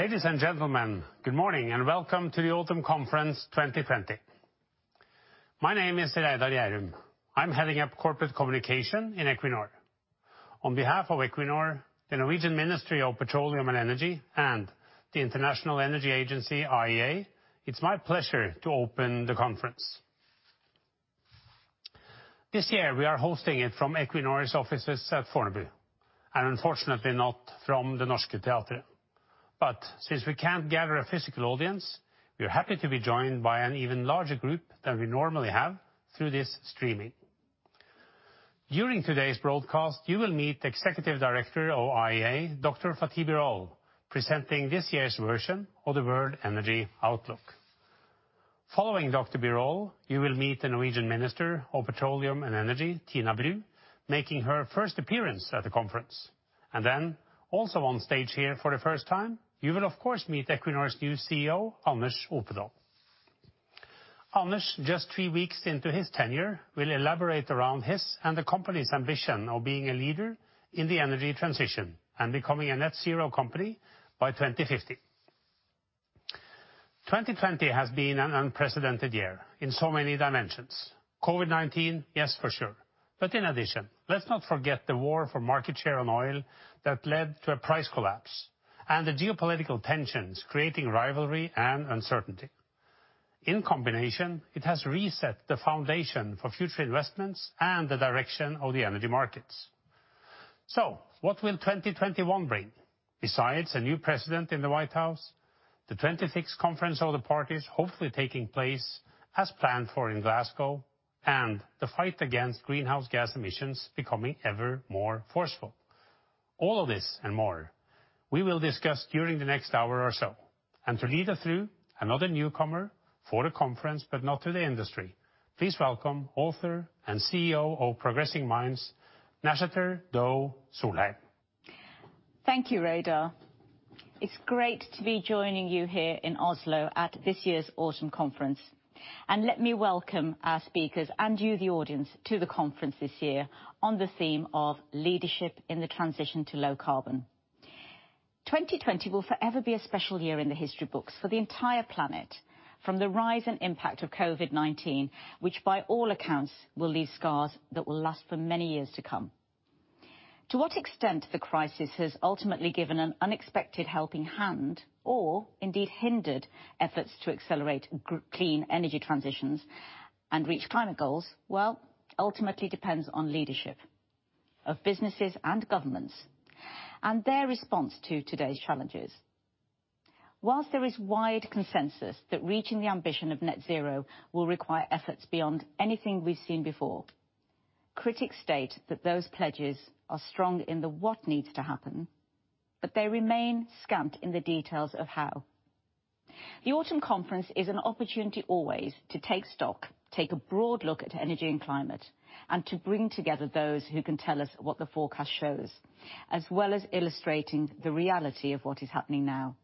Ladies and gentlemen, good morning, and welcome to the Autumn Conference 2020. My name is Reidar Gjærum. I'm heading up Corporate Communication in Equinor. On behalf of Equinor, the Norwegian Ministry of Petroleum and Energy, and the International Energy Agency, IEA, it's my pleasure to open the conference. This year, we are hosting it from Equinor's offices at Fornebu, and unfortunately not from the Det Norske Teatret. Since we can't gather a physical audience, we are happy to be joined by an even larger group than we normally have through this streaming. During today's broadcast, you will meet the Executive Director of IEA, Dr. Fatih Birol, presenting this year's version of the World Energy Outlook. Following Dr. Birol, you will meet the Norwegian Minister of Petroleum and Energy, Tina Bru, making her first appearance at the conference. Also on stage here for the first time, you will of course meet Equinor's new CEO, Anders Opedal. Anders, just three weeks into his tenure, will elaborate around his and the company's ambition of being a leader in the energy transition and becoming a net zero company by 2050. 2020 has been an unprecedented year in so many dimensions. COVID-19, yes, for sure. In addition, let's not forget the war for market share on oil that led to a price collapse and the geopolitical tensions creating rivalry and uncertainty. In combination, it has reset the foundation for future investments and the direction of the energy markets. What will 2021 bring, besides a new president in the White House, the 26th Conference of the Parties hopefully taking place as planned for in Glasgow, and the fight against greenhouse gas emissions becoming ever more forceful? All of this and more we will discuss during the next hour or so. To lead us through, another newcomer for the conference but not to the industry, please welcome author and CEO of Progressing Minds, Nashater Deu Solheim. Thank you, Reidar. It's great to be joining you here in Oslo at this year's Autumn Conference. Let me welcome our speakers and you, the audience, to the conference this year on the theme of leadership in the transition to low carbon. 2020 will forever be a special year in the history books for the entire planet, from the rise and impact of COVID-19, which by all accounts will leave scars that will last for many years to come. To what extent the crisis has ultimately given an unexpected helping hand or indeed hindered efforts to accelerate clean energy transitions and reach climate goals, well, ultimately depends on leadership of businesses and governments and their response to today's challenges. Whilst there is wide consensus that reaching the ambition of net zero will require efforts beyond anything we've seen before, critics state that those pledges are strong in the what needs to happen, but they remain scant in the details of how. The Autumn Conference is an opportunity always to take stock, take a broad look at energy and climate, and to bring together those who can tell us what the forecast shows, as well as illustrating the reality of what is happening now.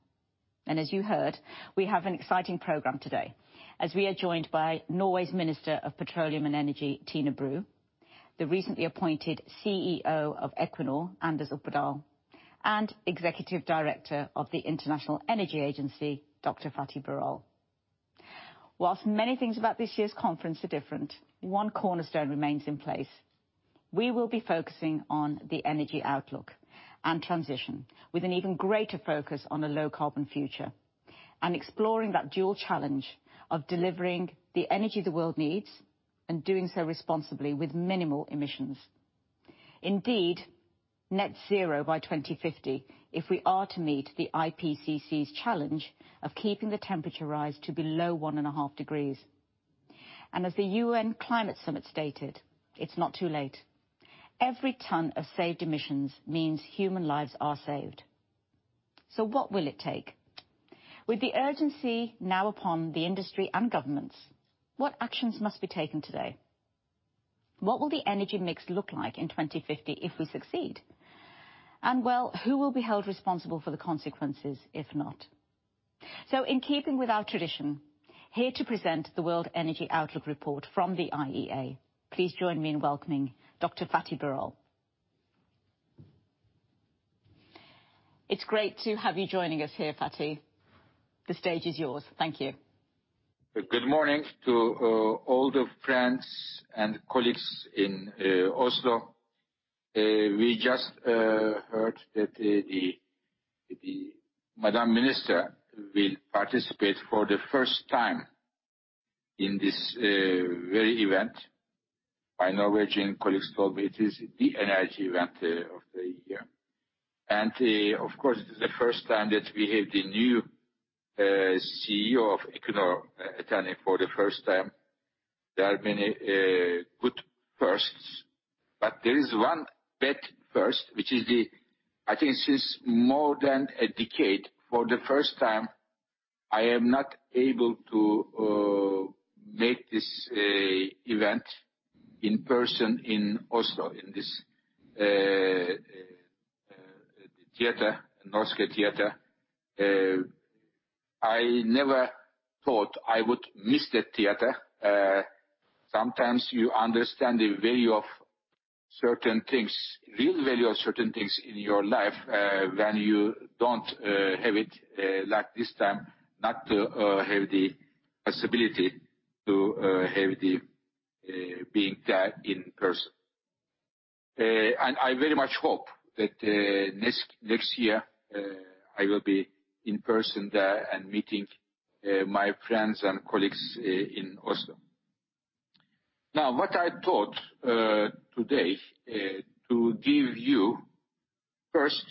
As you heard, we have an exciting program today as we are joined by Norway's Minister of Petroleum and Energy, Tina Bru, the recently appointed CEO of Equinor, Anders Opedal, and Executive Director of the International Energy Agency, Dr. Fatih Birol. Whilst many things about this year's conference are different, one cornerstone remains in place. We will be focusing on the energy outlook and transition with an even greater focus on a low carbon future and exploring that dual challenge of delivering the energy the world needs and doing so responsibly with minimal emissions. Indeed, net zero by 2050 if we are to meet the IPCC's challenge of keeping the temperature rise to below one and a half degrees. As the UN Climate Summit stated, it's not too late. Every ton of saved emissions means human lives are saved. What will it take? With the urgency now upon the industry and governments, what actions must be taken today? What will the energy mix look like in 2050 if we succeed? Well, who will be held responsible for the consequences, if not? In keeping with our tradition, here to present the World Energy Outlook report from the IEA, please join me in welcoming Dr. Fatih Birol. It's great to have you joining us here, Fatih. The stage is yours. Thank you. Good morning to all the friends and colleagues in Oslo. We just heard that the Madam Minister will participate for the first time in this very event. My Norwegian colleagues told me it is the energy event of the year. Of course, it is the first time that we have the new CEO of Equinor attending for the first time. There are many good firsts, there is one bad first, which is the, I think since more than a decade, for the first time, I am not able to make this event in person in Oslo, in this theater, Det Norske Teatret. I never thought I would miss that theater. Sometimes you understand the value of certain things, real value of certain things in your life when you don't have it, like this time not to have the possibility to have the being there in person. I very much hope that next year, I will be in person there and meeting my friends and colleagues in Oslo. What I thought today to give you, first,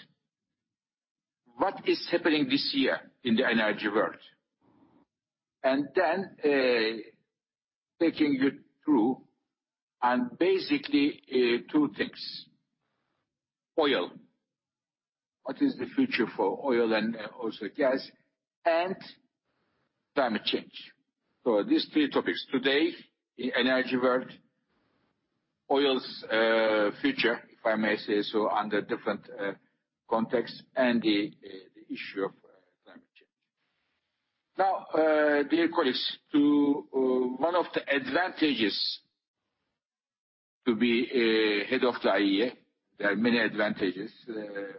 what is happening this year in the energy world, then taking you through. Oil, what is the future for oil and also gas, and climate change. These three topics today, the energy world, oil's future, if I may say so, under different context and the issue of climate change. Dear colleagues, one of the advantages to be head of the IEA, there are many advantages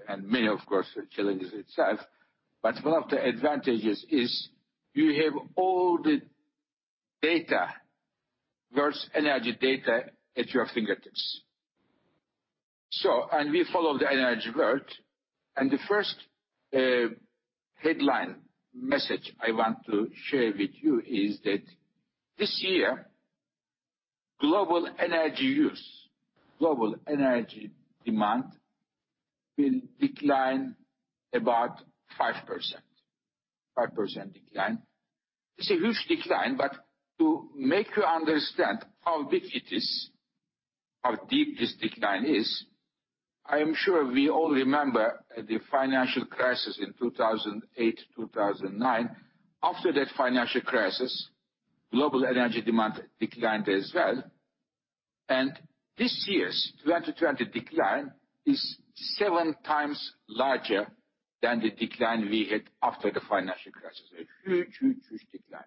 and many, of course, challenges itself, but one of the advantages is you have all the data, world's energy data at your fingertips. We follow the energy world, and the first headline message I want to share with you is that this year, global energy use, global energy demand will decline about 5%. 5% decline. It's a huge decline, but to make you understand how big it is, how deep this decline is, I am sure we all remember the financial crisis in 2008, 2009. After that financial crisis, global energy demand declined as well, and this year's 2020 decline is 7x larger than the decline we had after the financial crisis. A huge decline.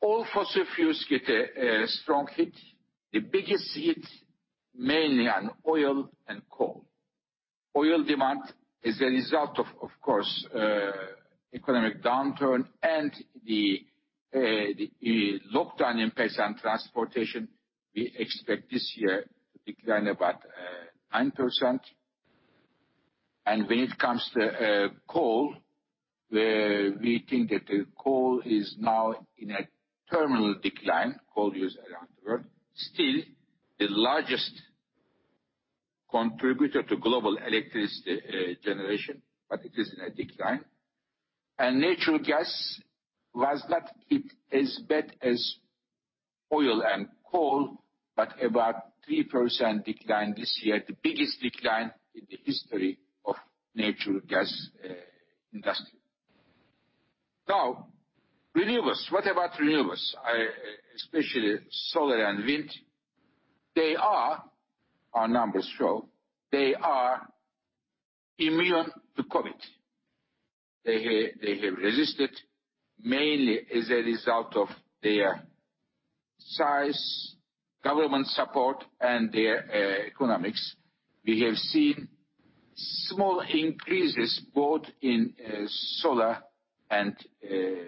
All fossil fuels get a strong hit. The biggest hit mainly on oil and coal. Oil demand is a result of course, economic downturn and the lockdown impacts on transportation. We expect this year to decline about 9%. When it comes to coal, we think that the coal is now in a terminal decline, coal use around the world. Still the largest contributor to global electricity generation, but it is in a decline. Natural gas was not hit as bad as oil and coal, but about 3% decline this year, the biggest decline in the history of natural gas industry. Now renewables. What about renewables, especially solar and wind? Our numbers show they are immune to COVID. They have resisted mainly as a result of their size, government support, and their economics. We have seen small increases both in solar and wind.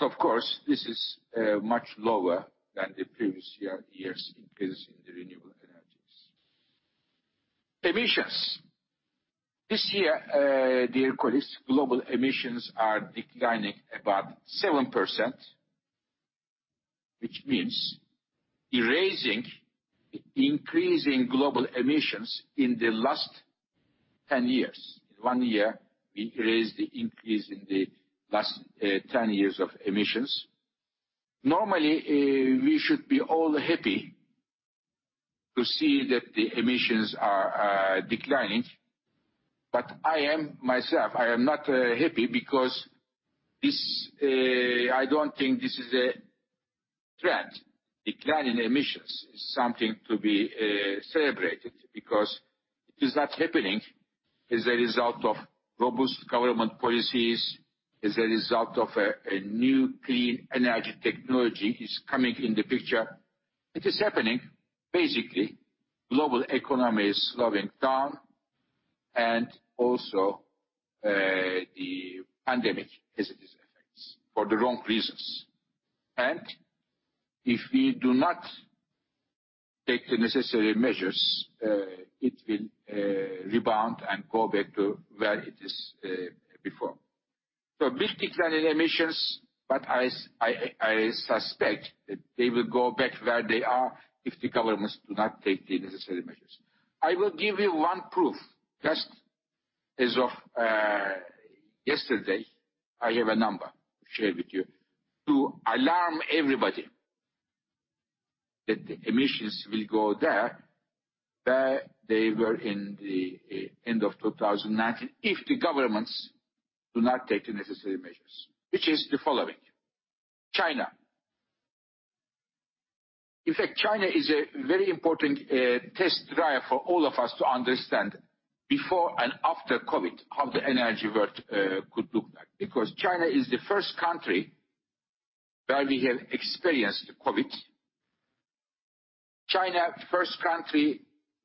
Of course, this is much lower than the previous years' increase in the renewable energies. Emissions. This year, dear colleagues, global emissions are declining about 7%, which means erasing increasing global emissions in the last 10 years. In one year, we erased the increase in the last 10 years of emissions. Normally, we should be all happy to see that the emissions are declining, but I am myself, I am not happy because I don't think this is a trend. Decline in emissions is something to be celebrated because it is not happening as a result of robust government policies, as a result of a new clean energy technology is coming in the picture. It is happening basically global economy is slowing down also the pandemic has its effects for the wrong reasons. If we do not take the necessary measures, it will rebound and go back to where it is before. Big decline in emissions, but I suspect that they will go back where they are if the governments do not take the necessary measures. I will give you one proof. Just as of yesterday, I have a number to share with you to alarm everybody that the emissions will go there, where they were in the end of 2019 if the governments do not take the necessary measures, which is the following. China. In fact, China is a very important test drive for all of us to understand, before and after COVID, how the energy world could look like, because China is the first country where we have experienced the COVID. China, first country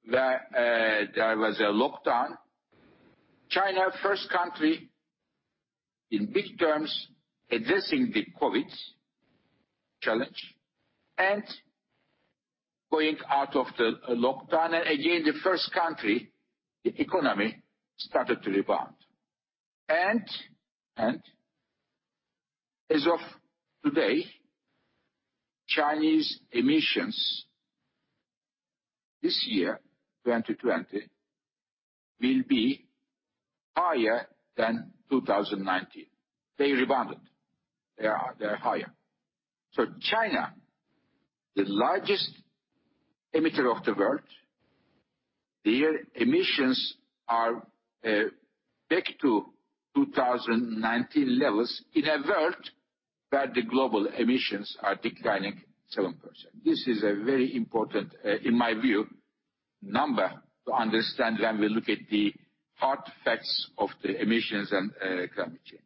where there was a lockdown. China, first country in big terms addressing the COVID challenge, going out of the lockdown. Again, the first country, the economy started to rebound. As of today, Chinese emissions this year, 2020, will be higher than 2019. They rebounded. They are higher. China, the largest emitter of the world, their emissions are back to 2019 levels in a world where the global emissions are declining 7%. This is a very important, in my view, number to understand when we look at the hard facts of the emissions and climate change.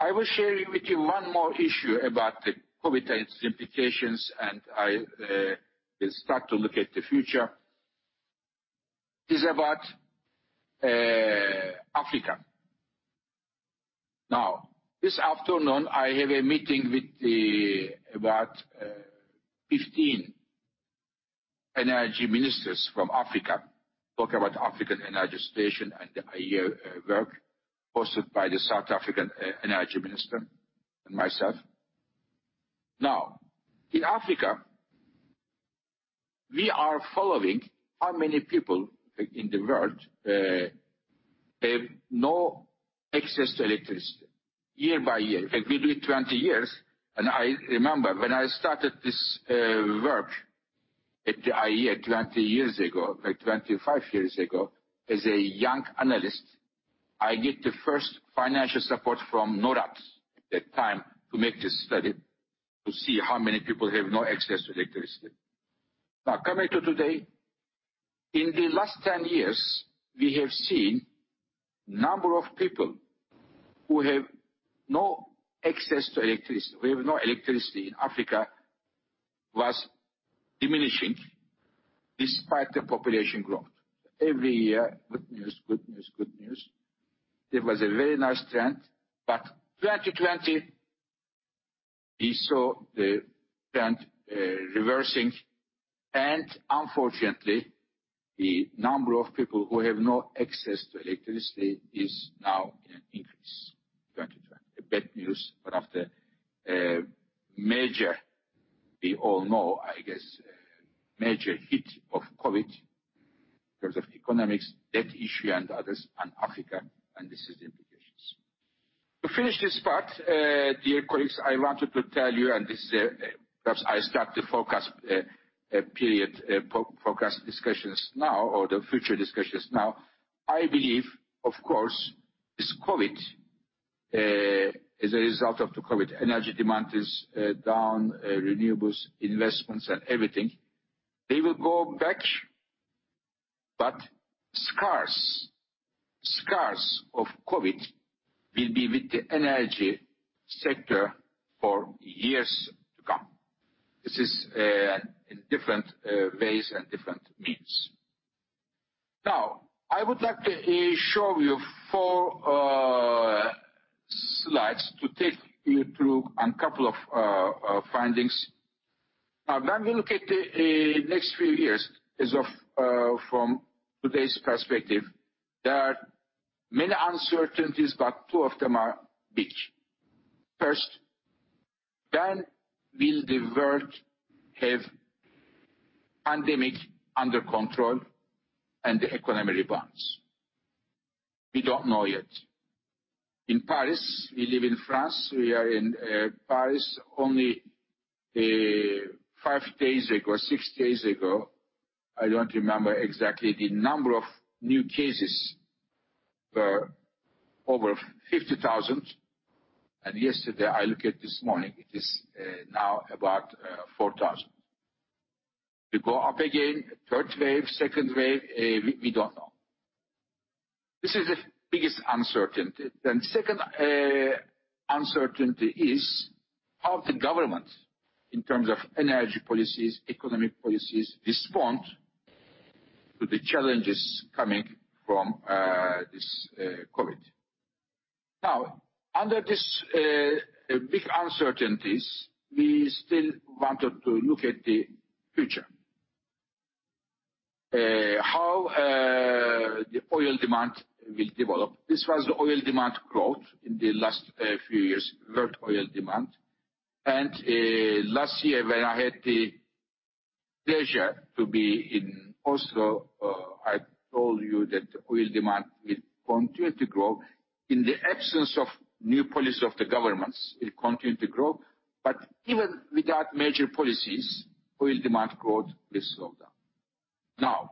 I was sharing with you one more issue about the COVID-19 and its implications, and I will start to look at the future, is about Africa. This afternoon, I have a meeting with about 15 energy ministers from Africa, talk about African energy situation and the IEA work hosted by the South African Energy Minister and myself. In Africa, we are following how many people in the world have no access to electricity year by year. We do it 20 years. I remember when I started this work at the IEA 20 years ago, like 25 years ago, as a young analyst, I get the first financial support from Norad at the time to make this study to see how many people have no access to electricity. Now, coming to today, in the last 10 years, we have seen number of people who have no access to electricity, who have no electricity in Africa, was diminishing despite the population growth. Every year, good news, good news, good news. There was a very nice trend. 2020, we saw the trend reversing. Unfortunately, the number of people who have no access to electricity is now in an increase, it is a bad news. After we all know, I guess, major hit of COVID in terms of economics, debt issue, and others on Africa, and this is the implications. To finish this part, dear colleagues, I wanted to tell you. This perhaps I start the forecast discussions now or the future discussions now. I believe, of course, as a result of the COVID, energy demand is down, renewables investments and everything. They will go back. Scars of COVID will be with the energy sector for years to come. This is in different ways and different means. I would like to show you four slides to take you through on a couple of findings. When we look at the next few years from today's perspective, there are many uncertainties, but two of them are big. When will the world have pandemic under control and the economy rebounds? We don't know yet. In Paris, we live in France, we are in Paris only five days ago, six days ago, I don't remember exactly the number of new cases were over 50,000. Yesterday, I look at this morning, it is now about 4,000. We go up again, third wave, second wave, we don't know. This is the biggest uncertainty. Second uncertainty is how the government, in terms of energy policies, economic policies respond to the challenges coming from this COVID. Under this big uncertainties, we still wanted to look at the future. How the oil demand will develop. This was the oil demand growth in the last few years, world oil demand. Last year when I had the pleasure to be in Oslo, I told you that oil demand will continue to grow. In the absence of new policy of the governments, it continued to grow, but even without major policies, oil demand growth will slow down.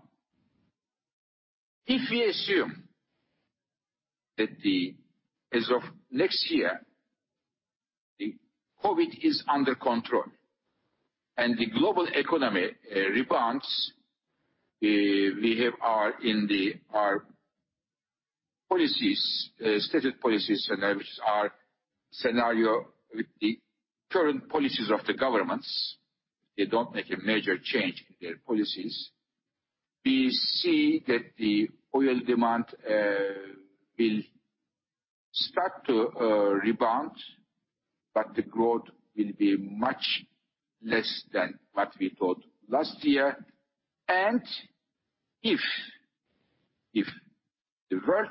If we assume that as of next year, COVID is under control and the global economy rebounds, we have our policies, stated policies, and our scenario with the current policies of the governments. They don't make a major change in their policies. We see that the oil demand will start to rebound, but the growth will be much less than what we thought last year. If the world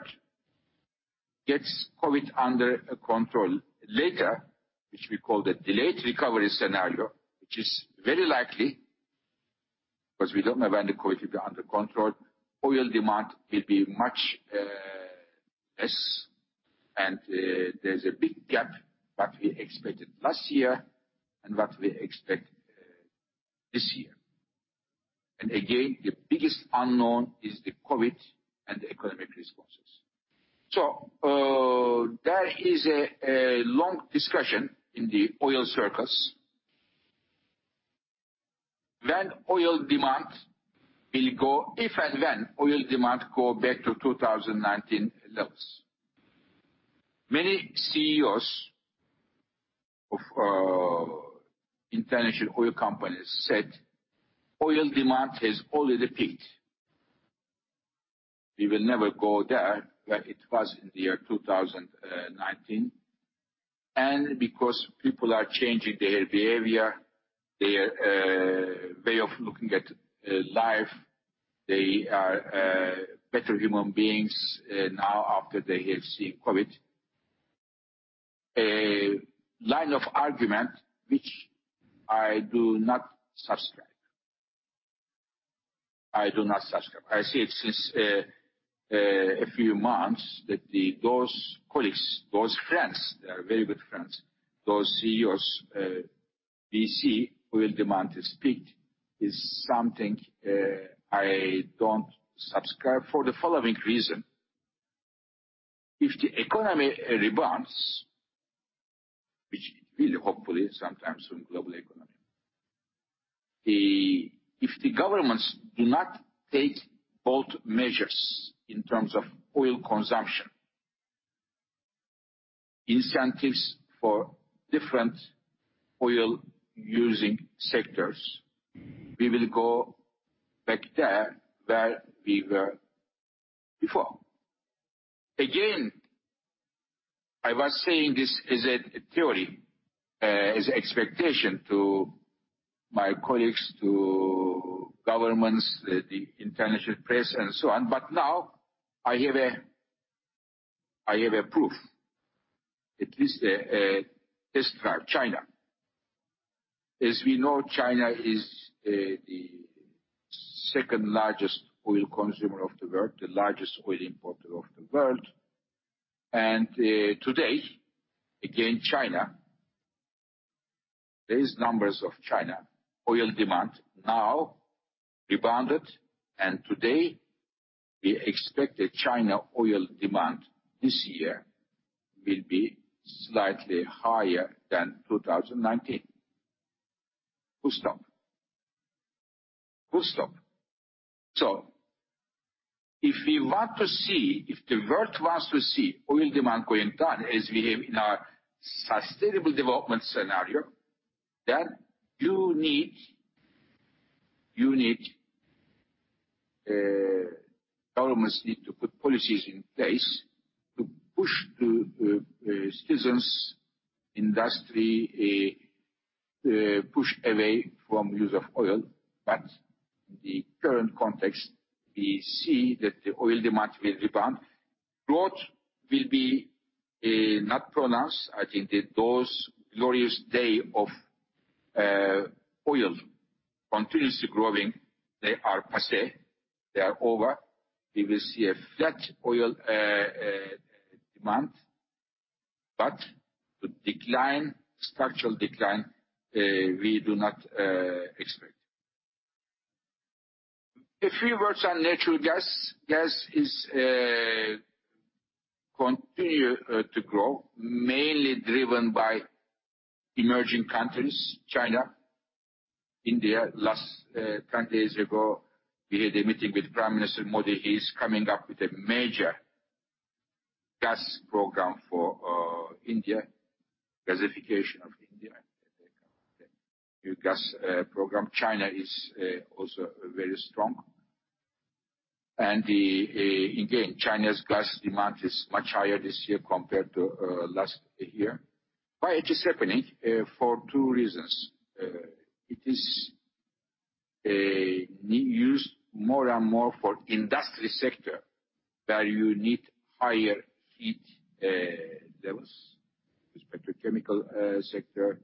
gets COVID under control later, which we call the delayed recovery scenario, which is very likely because we don't know when the COVID will be under control, oil demand will be much less. There's a big gap what we expected last year and what we expect this year. Again, the biggest unknown is the COVID and the economic responses. There is a long discussion in the oil circles when oil demand will go, if and when oil demand go back to 2019 levels. Many CEOs of international oil companies said oil demand has already peaked. We will never go there, where it was in the year 2019. Because people are changing their behavior, their way of looking at life, they are better human beings now after they have seen COVID. A line of argument which I do not. I do not. I see it since a few months that those colleagues, those friends, they are very good friends. Those CEOs, we see oil demand has peaked, is something I don't subscribe for the following reason. If the economy rebounds, which it will, hopefully sometime soon, global economy. If the governments do not take bold measures in terms of oil consumption, incentives for different oil-using sectors, we will go back there where we were before. I was saying this as a theory, as expectation to my colleagues, to governments, the international press and so on, but now I have a proof. At least a test drive. China. As we know, China is the second-largest oil consumer of the world, the largest oil importer of the world. Today, again, China, these numbers of China oil demand now rebounded, and today, we expect that China oil demand this year will be slightly higher than 2019. Full stop. If the world wants to see oil demand going down as we have in our sustainable development scenario, then you need, governments need to put policies in place to push the citizens, industry, push away from use of oil. In the current context, we see that the oil demand will rebound. Growth will be not pronounced. I think that those glorious day of oil continuously growing, they are passe, they are over. We will see a flat oil demand, but the decline, structural decline, we do not expect. A few words on natural gas. Gas continue to grow, mainly driven by emerging countries, China, India. Last 10 days ago, we had a meeting with Prime Minister Modi. He's coming up with a major gas program for India, gasification of India, new gas program. China is also very strong. Again, China's gas demand is much higher this year compared to last year. Why it is happening? For two reasons. It is used more and more for industry sector, where you need higher heat levels. Respect to chemical sector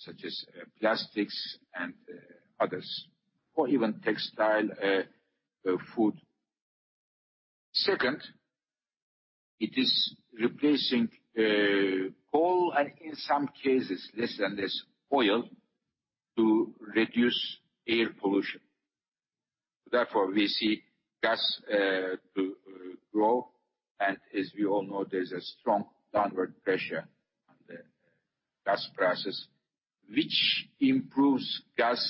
such as plastics and others, or even textile, food. Second, it is replacing coal, and in some cases, less and less oil, to reduce air pollution. Therefore, we see gas grow, and as we all know, there's a strong downward pressure on the gas prices, which improves gas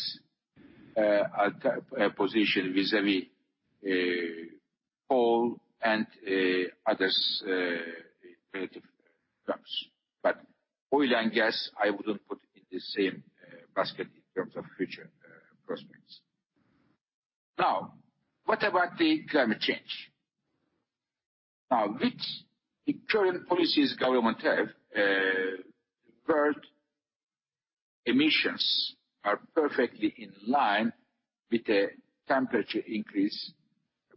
position vis-à-vis coal and others in relative terms. Oil and gas, I wouldn't put in the same basket in terms of future prospects. Now, what about the climate change? With the current policies government have, world emissions are perfectly in line with a temperature increase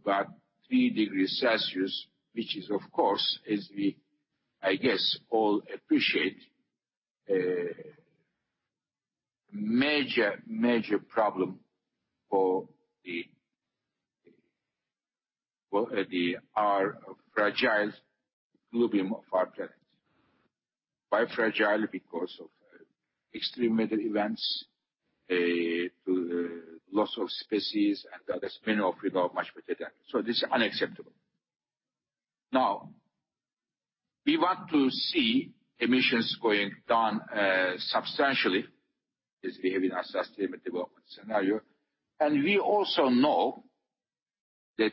about three degrees Celsius, which is of course, as we I guess all appreciate, a major problem for our fragile globe of our planet. Why fragile? Because of extreme weather events, to the loss of species, and others. Many of you know much better than me. This is unacceptable. We want to see emissions going down substantially as we have in our sustainable development scenario. We also know that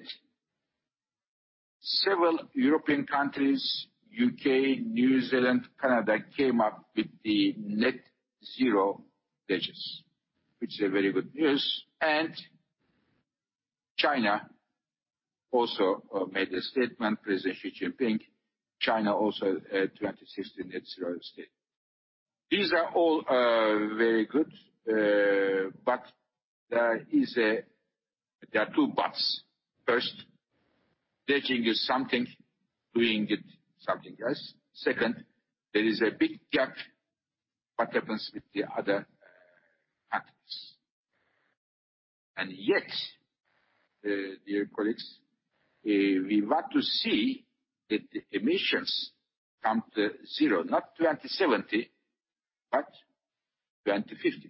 several European countries, U.K., New Zealand, Canada, came up with the net zero pledges, which is a very good news. China also made a statement, President Xi Jinping. China also had 2060 net zero statement. These are all very good, but there are two buts. First, pledging is something, doing it something else. Second, there is a big gap what happens with the other actors. Yet, dear colleagues, we want to see that the emissions come to zero, not 2070, but 2050.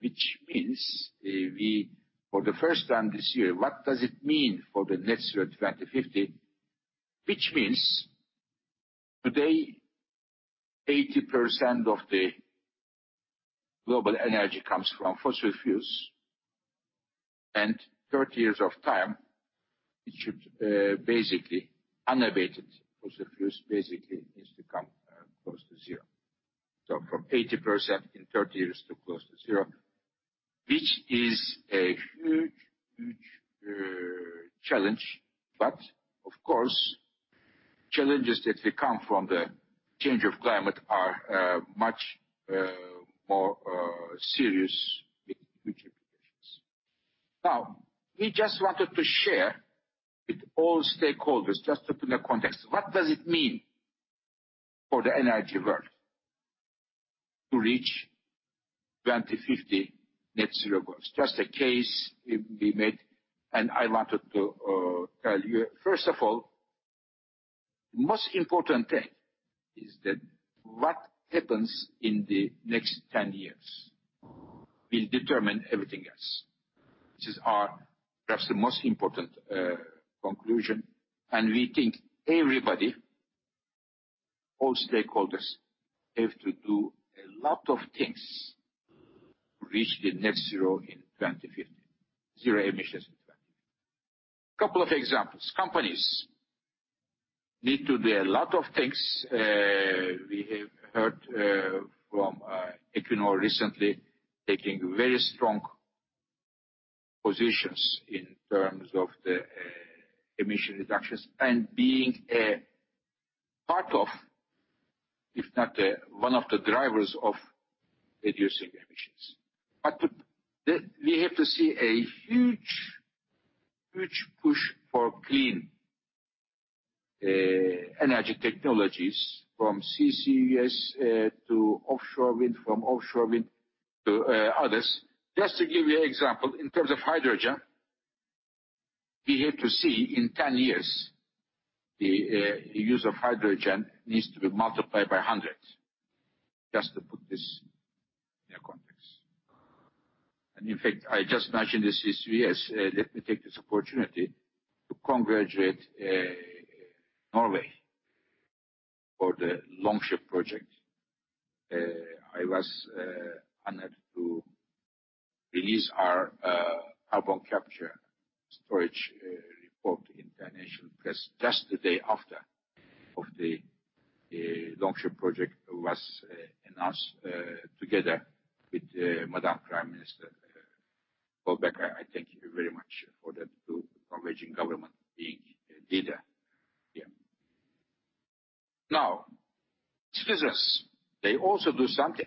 Which means we, for the first time this year, what does it mean for the net zero 2050? Which means today, 80% of the global energy comes from fossil fuels, and 30 years of time, it should basically, unabated fossil fuels basically needs to come close to zero. From 80% in 30 years to close to zero, which is a huge challenge. Of course, challenges that will come from the change of climate are much more serious with huge implications. Now, we just wanted to share with all stakeholders, just to put in a context, what does it mean for the energy world to reach 2050 net zero goals? Just a case we made, and I wanted to tell you, first of all, most important thing is that what happens in the next 10 years will determine everything else. This is our, perhaps, the most important conclusion, and we think everybody, all stakeholders, have to do a lot of things to reach the net zero in 2050. Zero emissions in 2050. Couple of examples. Companies need to do a lot of things. We have heard from Equinor recently taking very strong positions in terms of the emission reductions and being a part of, if not one of the drivers of reducing emissions. We have to see a huge push for clean energy technologies from CCUS to offshore wind, from offshore wind to others. Just to give you an example, in terms of hydrogen, we have to see in 10 years, the use of hydrogen needs to be multiplied by 100, just to put this in a context. In fact, I just mentioned this CCUS. Let me take this opportunity to congratulate Norway for the Longship project. I was honored to release our carbon capture storage report in the national press just the day after of the Longship project was announced together with Madam Prime Minister Solberg. I thank you very much for that to Norwegian government being a leader here. Now, it's business. They also do something,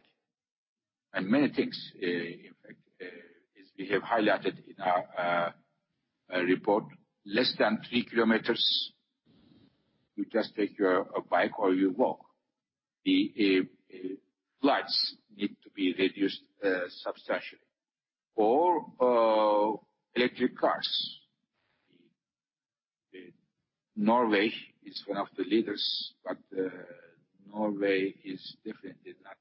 and many things, in fact, as we have highlighted in our report, less than 3 km. You just take your bike or you walk. The flights need to be reduced substantially. Electric cars. Norway is one of the leaders, but Norway is definitely not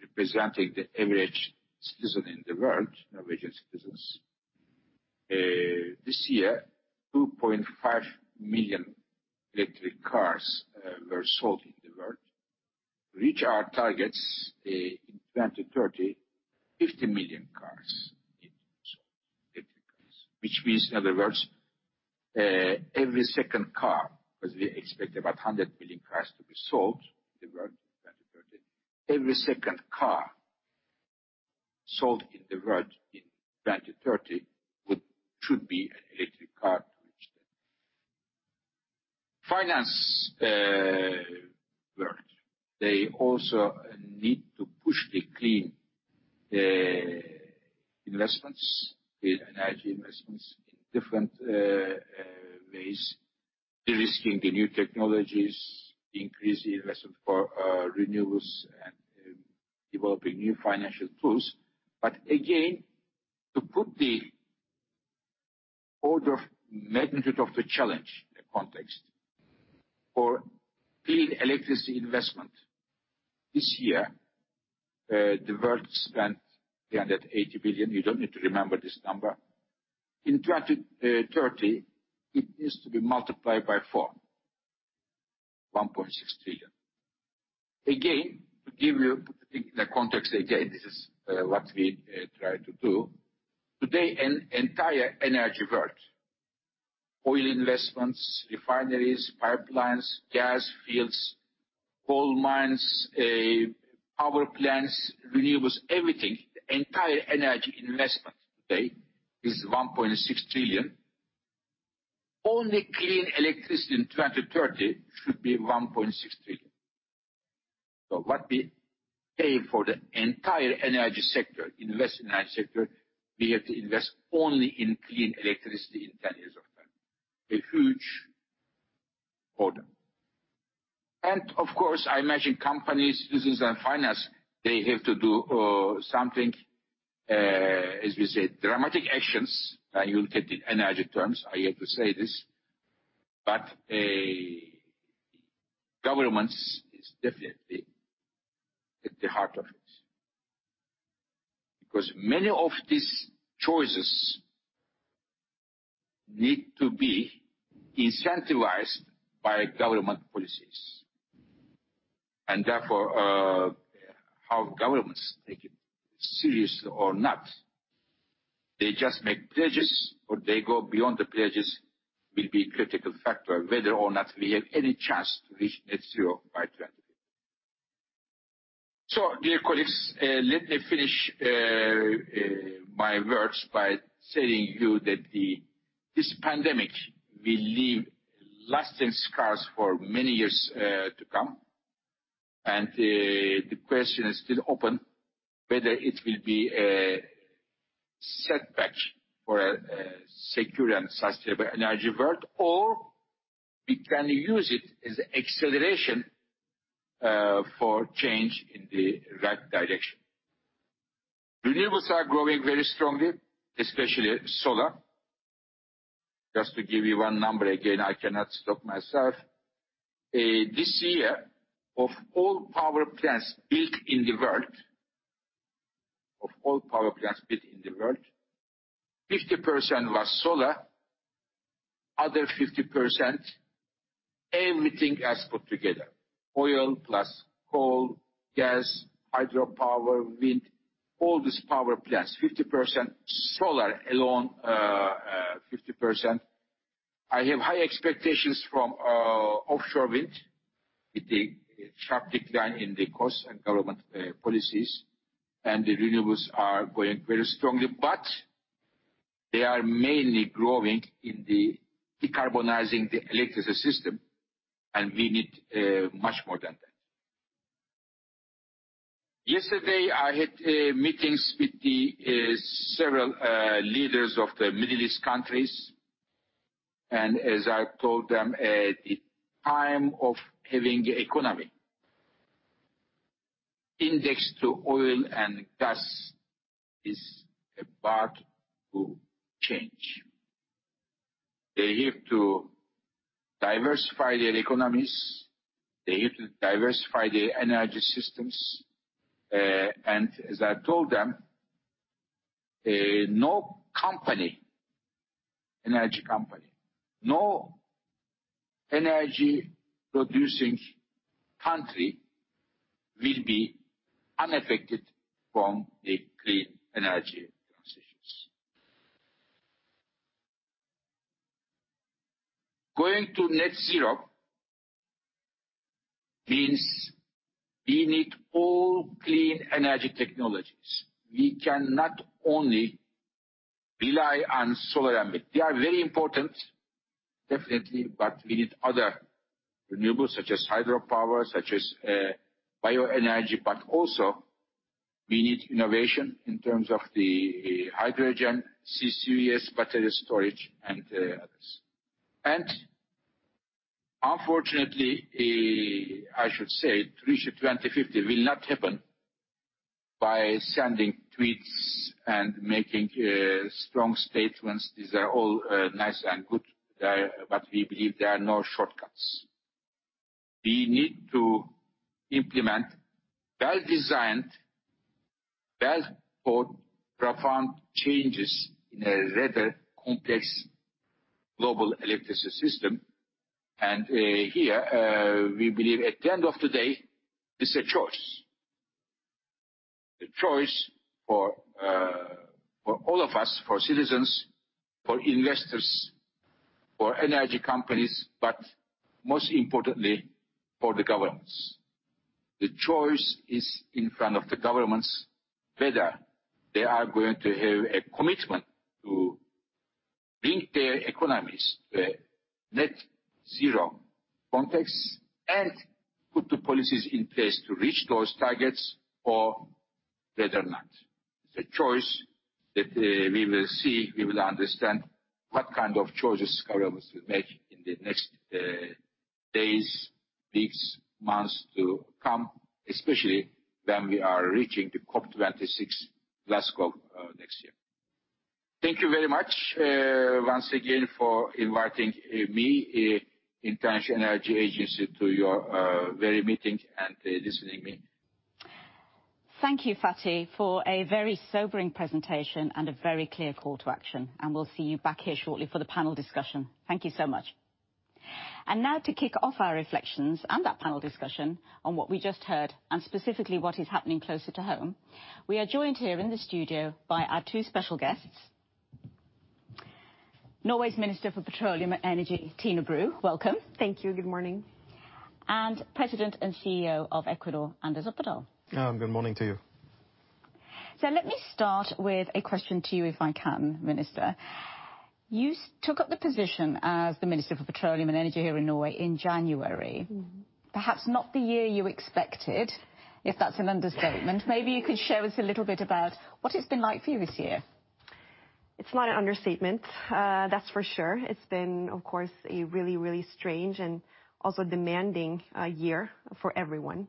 representing the average citizen in the world, Norwegian citizens. This year, 2.5 million electric cars were sold in the world. To reach our targets in 2030, 50 million cars need to be sold, electric cars. Which means, in other words, every second car, because we expect about 100 million cars to be sold in the world in 2030. Every second car sold in the world in 2030 should be an electric car to reach that. Finance world. They also need to push the clean investments, the energy investments in different ways, de-risking the new technologies, increase the investment for renewables, and developing new financial tools. Again, to put the order of magnitude of the challenge in context. For clean electricity investment this year, the world spent $380 billion. You don't need to remember this number. In 2030, it needs to be multiplied by four, $1.6 trillion. Again, to give you the context again, this is what we try to do. Today, an entire energy world, oil investments, refineries, pipelines, gas fields, coal mines, power plants, renewables, everything, the entire energy investment today is $1.6 trillion. Only clean electricity in 2030 should be $1.6 trillion. What we pay for the entire energy sector, invest in energy sector, we have to invest only in clean electricity in 10 years of time. A huge order. Of course, I imagine companies, business, and finance, they have to do something, as we say, dramatic actions. You look at the energy terms, I have to say this, but governments is definitely at the heart of it. Many of these choices need to be incentivized by government policies, and therefore, how governments take it seriously or not, they just make pledges or they go beyond the pledges will be a critical factor, whether or not we have any chance to reach net zero by 2050. Dear colleagues, let me finish my words by saying to you that this pandemic will leave lasting scars for many years to come. The question is still open whether it will be a setback for a secure and sustainable energy world, or we can use it as acceleration for change in the right direction. Renewables are growing very strongly, especially solar. Just to give you one number, again, I cannot stop myself. This year, of all power plants built in the world, 50% was solar, other 50%, everything else put together, oil plus coal, gas, hydropower, wind, all these power plants, 50% solar alone, 50%. I have high expectations from offshore wind with the sharp decline in the cost and government policies. The renewables are growing very strongly. They are mainly growing in the decarbonizing the electricity system. We need much more than that. Yesterday, I had meetings with the several leaders of the Middle East countries. As I told them, the time of having economy indexed to oil and gas is about to change. They have to diversify their economies, they have to diversify their energy systems. As I told them, no company, energy company, no energy-producing country will be unaffected from the clean energy transitions. Going to net zero means we need all clean energy technologies. We cannot only rely on solar and wind. They are very important, definitely, but we need other renewables such as hydropower, such as bioenergy. We need innovation in terms of the hydrogen CCUS battery storage and others. Unfortunately, I should say, reach 2050 will not happen by sending tweets and making strong statements. These are all nice and good, but we believe there are no shortcuts. We need to implement well-designed, well-thought, profound changes in a rather complex global electricity system. Here, we believe at the end of the day, it's a choice. The choice for all of us, for citizens, for investors, for energy companies, but most importantly, for the governments. The choice is in front of the governments, whether they are going to have a commitment to bring their economies to a net zero context and put the policies in place to reach those targets or whether not. It's a choice that we will see. We will understand what kind of choices governments will make in the next days, weeks, months to come, especially when we are reaching the COP26 Glasgow next year. Thank you very much, once again for inviting me, International Energy Agency to your very meeting and listening to me. Thank you, Fatih, for a very sobering presentation and a very clear call to action. We'll see you back here shortly for the panel discussion. Thank you so much. Now to kick off our reflections and that panel discussion on what we just heard and specifically what is happening closer to home, we are joined here in the studio by our two special guests. Norway's Minister for Petroleum and Energy, Tina Bru. Welcome. Thank you. Good morning. President and CEO of Equinor, Anders Opedal. Good morning to you. Let me start with a question to you if I can, Minister. You took up the position as the Minister for Petroleum and Energy here in Norway in January. Perhaps not the year you expected, if that's an understatement. Maybe you could share with us a little bit about what it's been like for you this year. It's not an understatement, that's for sure. It's been, of course, a really, really strange and also demanding year for everyone.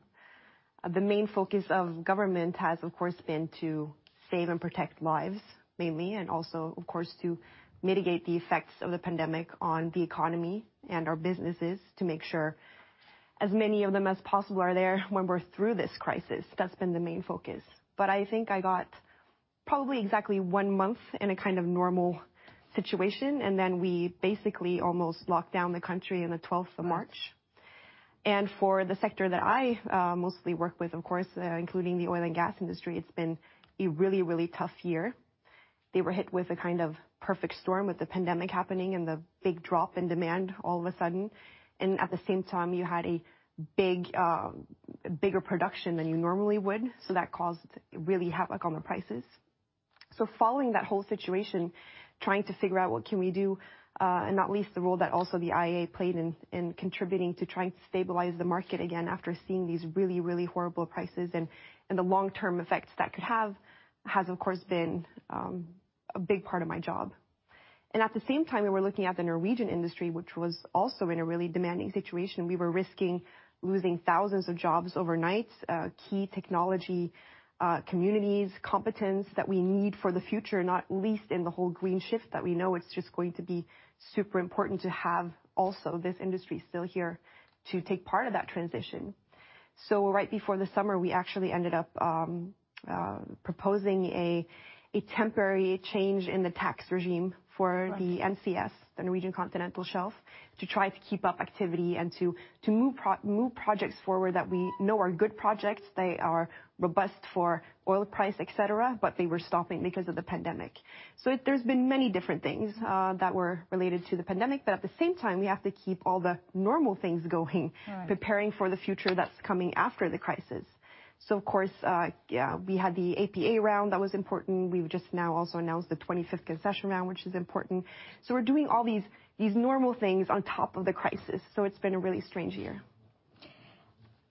The main focus of government has, of course, been to save and protect lives mainly, and also, of course, to mitigate the effects of the pandemic on the economy and our businesses to make sure as many of them as possible are there when we're through this crisis. That's been the main focus. I think I got probably exactly one month in a kind of normal situation, and then we basically almost locked down the country on the 12th of March. For the sector that I mostly work with, of course, including the oil and gas industry, it's been a really, really tough year. They were hit with a kind of perfect storm with the pandemic happening and the big drop in demand all of a sudden, and at the same time, you had a bigger production than you normally would, so that caused really havoc on the prices. Following that whole situation, trying to figure out what can we do, and not least the role that also the IEA played in contributing to trying to stabilize the market again after seeing these really, really horrible prices and the long-term effects that could have, has, of course, been a big part of my job. At the same time, we were looking at the Norwegian industry, which was also in a really demanding situation. We were risking losing thousands of jobs overnight, key technology, communities, competence that we need for the future, not least in the whole green shift that we know it's just going to be super important to have also this industry still here to take part in that transition. Right before the summer, we actually ended up proposing a temporary change in the tax regime for the. Right NCS, the Norwegian Continental Shelf, to try to keep up activity and to move projects forward that we know are good projects. They are robust for oil price, et cetera, but they were stopping because of the pandemic. There's been many different things that were related to the pandemic. At the same time, we have to keep all the normal things going. Right -preparing for the future that's coming after the crisis. Of course, yeah, we had the APA round that was important. We've just now also announced the 25th licensing round, which is important. We're doing all these normal things on top of the crisis, so it's been a really strange year.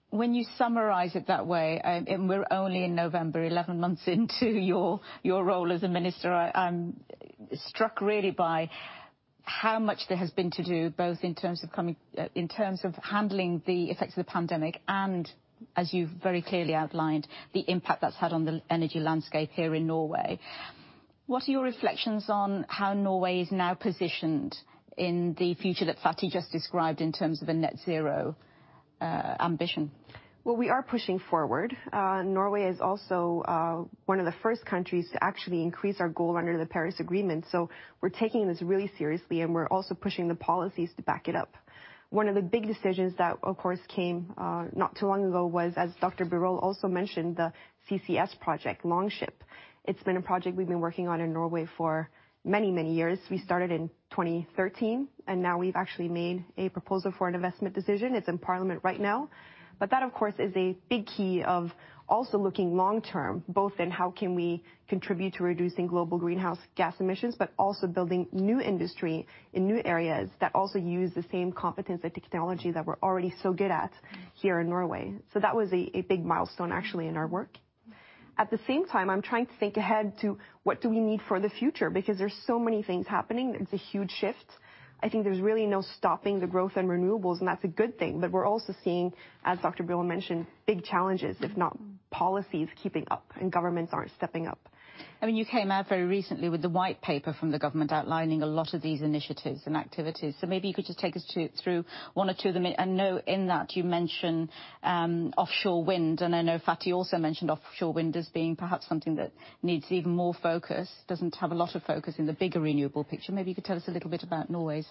When you summarize it that way, and we're only in November, 11 months into your role as a minister, I'm struck really by how much there has been to do, both in terms of handling the effects of the pandemic and, as you've very clearly outlined, the impact that's had on the energy landscape here in Norway. What are your reflections on how Norway is now positioned in the future that Fatih just described in terms of a net zero ambition? Well, we are pushing forward. Norway is also one of the first countries to actually increase our goal under the Paris Agreement. We're taking this really seriously, and we're also pushing the policies to back it up. One of the big decisions that, of course, came not too long ago was, as Dr. Birol also mentioned, the CCS project, Longship. It's been a project we've been working on in Norway for many, many years. We started in 2013, and now we've actually made a proposal for an investment decision. It's in Parliament right now. That, of course, is a big key of also looking long term, both in how can we contribute to reducing global greenhouse gas emissions, but also building new industry in new areas that also use the same competence and technology that we're already so good at here in Norway. That was a big milestone, actually, in our work. At the same time, I'm trying to think ahead to what do we need for the future, because there's so many things happening. It's a huge shift. I think there's really no stopping the growth in renewables, and that's a good thing. We're also seeing, as Dr. Birol mentioned, big challenges if not policies keeping up and governments aren't stepping up. You came out very recently with the white paper from the government outlining a lot of these initiatives and activities. Maybe you could just take us through one or two of them. I know in that you mention offshore wind, and I know Fatih also mentioned offshore wind as being perhaps something that needs even more focus. Doesn't have a lot of focus in the bigger renewable picture. Maybe you could tell us a little bit about Norway's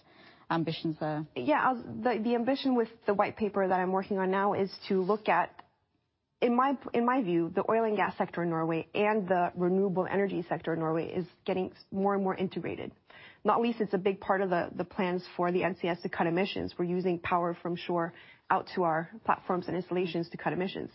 ambitions there. Yeah. The ambition with the white paper that I'm working on now is to look at, in my view, the oil and gas sector in Norway and the renewable energy sector in Norway is getting more and more integrated. Not least, it's a big part of the plans for the NCS to cut emissions. We're using power from shore out to our platforms and installations to cut emissions.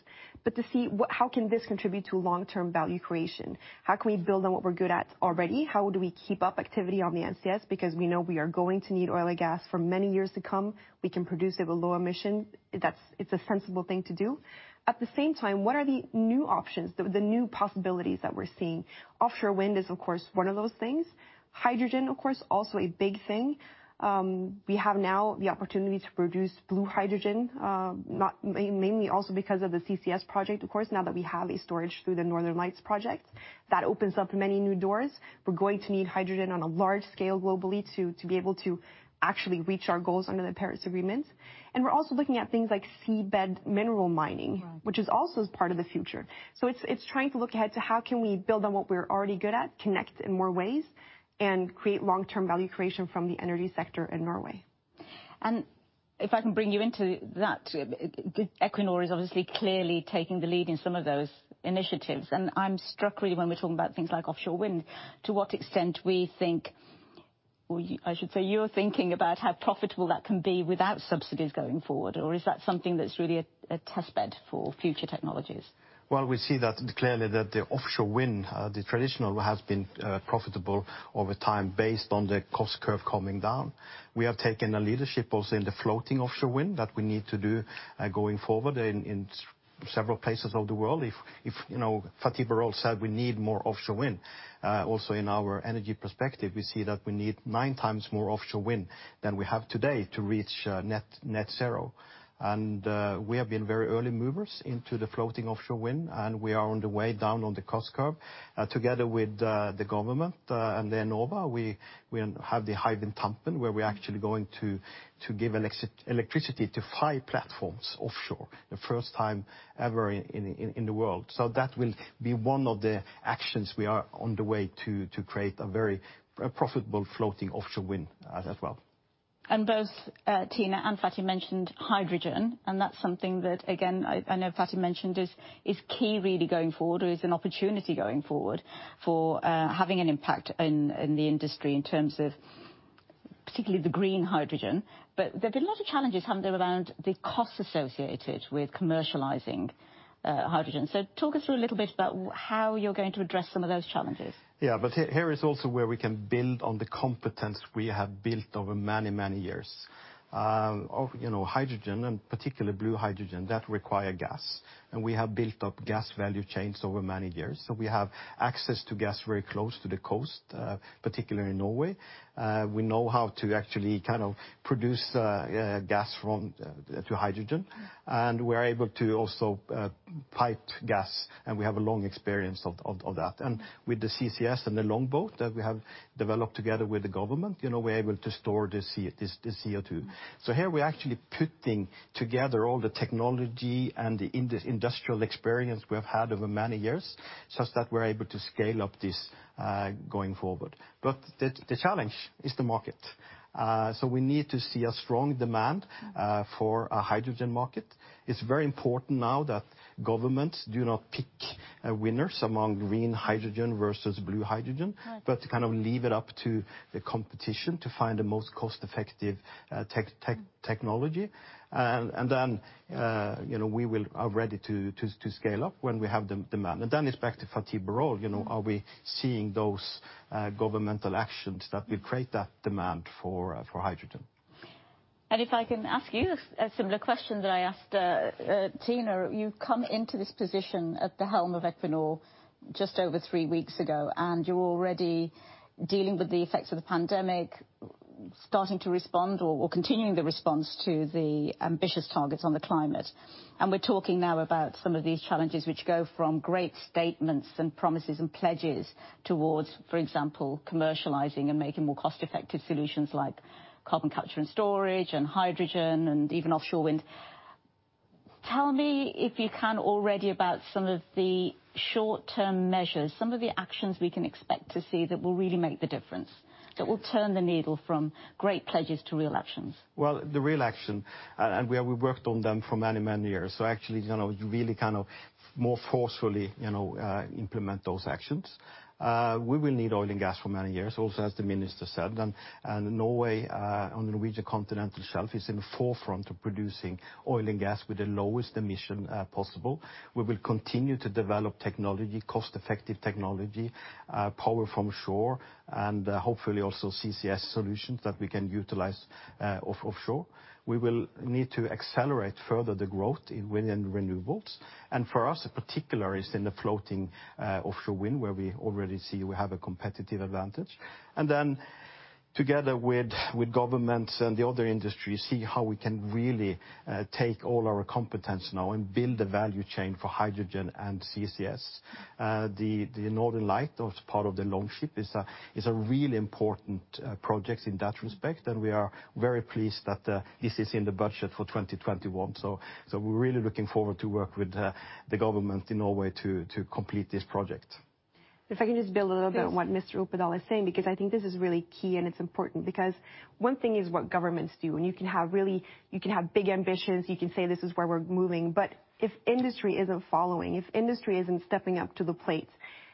To see how can this contribute to long-term value creation, how can we build on what we're good at already? How do we keep up activity on the NCS? Because we know we are going to need oil and gas for many years to come. We can produce it with low emission. It's a sensible thing to do. At the same time, what are the new options, the new possibilities that we're seeing? Offshore wind is, of course, one of those things. Hydrogen, of course, also a big thing. We have now the opportunity to produce blue hydrogen, mainly also because of the CCS project, of course, now that we have a storage through the Northern Lights project. That opens up many new doors. We're going to need hydrogen on a large scale globally to be able to actually reach our goals under the Paris Agreement. We're also looking at things like seabed mineral mining. Right -which is also part of the future. It's trying to look ahead to how can we build on what we're already good at, connect in more ways, and create long-term value creation from the energy sector in Norway. If I can bring you into that, Equinor is obviously clearly taking the lead in some of those initiatives, and I'm struck really when we're talking about things like offshore wind, to what extent we think, or I should say you're thinking about how profitable that can be without subsidies going forward, or is that something that's really a test bed for future technologies? Well, we see that clearly that the offshore wind, the traditional, has been profitable over time based on the cost curve coming down. We have taken leadership also in the floating offshore wind that we need to do going forward in several places in the world. Fatih Birol said we need more offshore wind. In our energy perspective, we see that we need 9x more offshore wind than we have today to reach net zero. We have been very early movers into the floating offshore wind, and we are on the way down on the cost curve. Together with the government and Enova, we have the Hywind Tampen, where we are actually going to give electricity to five platforms offshore, the first time ever in the world. That will be one of the actions we are on the way to create a very profitable floating offshore wind as well. Both Tina and Fatih mentioned hydrogen, and that's something that, again, I know Fatih mentioned is key really going forward, or is an opportunity going forward for having an impact in the industry in terms of particularly the green hydrogen. There have been a lot of challenges, haven't there, around the cost associated with commercializing hydrogen. Talk us through a little bit about how you're going to address some of those challenges. Here is also where we can build on the competence we have built over many, many years. Hydrogen and particularly blue hydrogen, that require gas, and we have built up gas value chains over many years. We have access to gas very close to the coast, particularly in Norway. We know how to actually kind of produce gas to hydrogen, and we are able to also pipe gas, and we have a long experience of that. With the CCS and the Longboat that we have developed together with the government, we're able to store the CO2. Here we're actually putting together all the technology and the industrial experience we have had over many years such that we're able to scale up this going forward. The challenge is the market. We need to see a strong demand for a hydrogen market. It's very important now that governments do not pick winners among green hydrogen versus blue hydrogen. Right To kind of leave it up to the competition to find the most cost-effective technology. Then we are ready to scale up when we have the demand. Then it's back to Fatih Birol, are we seeing those governmental actions that will create that demand for hydrogen? If I can ask you a similar question that I asked Tina, you come into this position at the helm of Equinor just over three weeks ago, and you're already dealing with the effects of the pandemic, starting to respond or continuing the response to the ambitious targets on the climate. We're talking now about some of these challenges which go from great statements and promises and pledges towards, for example, commercializing and making more cost-effective solutions like carbon capture and storage and hydrogen and even offshore wind. Tell me, if you can already, about some of the short-term measures, some of the actions we can expect to see that will really make the difference, that will turn the needle from great pledges to real actions. Well, the real action, and we have worked on them for many, many years. Actually, really kind of more forcefully implement those actions. We will need oil and gas for many years, also, as the minister said. Norway on the Norwegian continental shelf is in the forefront of producing oil and gas with the lowest emission possible. We will continue to develop technology, cost-effective technology, power from shore, and hopefully also CCS solutions that we can utilize offshore. We will need to accelerate further the growth within renewables. For us in particular is in the floating offshore wind, where we already see we have a competitive advantage. Together with governments and the other industries, see how we can really take all our competence now and build a value chain for hydrogen and CCS. The Northern Lights, part of the Longship, is a really important project in that respect, and we are very pleased that this is in the budget for 2021. We're really looking forward to work with the government in Norway to complete this project. If I can just build a little bit. Yes -on what Mr. Opedal is saying, because I think this is really key, and it's important because one thing is what governments do, and you can have big ambitions, you can say, "This is where we're moving." But if industry isn't following, if industry isn't stepping up to the plate,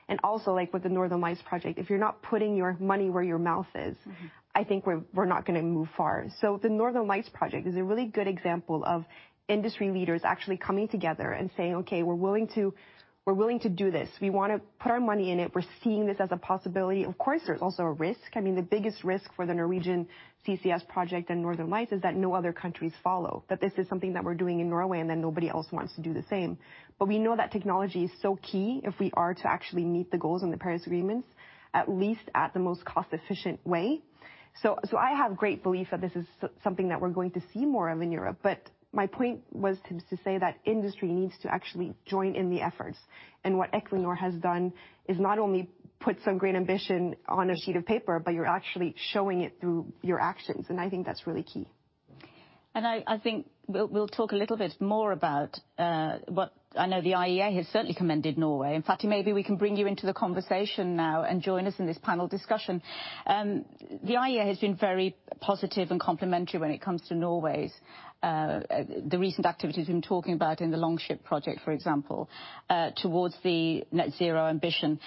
and also, like with the Northern Lights project, if you're not putting your money where your mouth is. I think we're not going to move far. The Northern Lights Project is a really good example of industry leaders actually coming together and saying, "Okay, we're willing to do this. We want to put our money in it. We're seeing this as a possibility." Of course, there's also a risk. I mean, the biggest risk for the Norwegian CCS project and Northern Lights is that no other countries follow. That this is something that we're doing in Norway, and then nobody else wants to do the same. We know that technology is so key if we are to actually meet the goals in the Paris Agreement, at least at the most cost-efficient way. I have great belief that this is something that we're going to see more of in Europe. My point was to say that industry needs to actually join in the efforts. What Equinor has done is not only put some great ambition on a sheet of paper, but you're actually showing it through your actions, and I think that's really key. I think we'll talk a little bit more about what I know the IEA has certainly commended Norway. Fatih, maybe we can bring you into the conversation now and join us in this panel discussion. The IEA has been very positive and complimentary when it comes to Norway's, the recent activities we've been talking about in the Longship project, for example, towards the net zero ambition.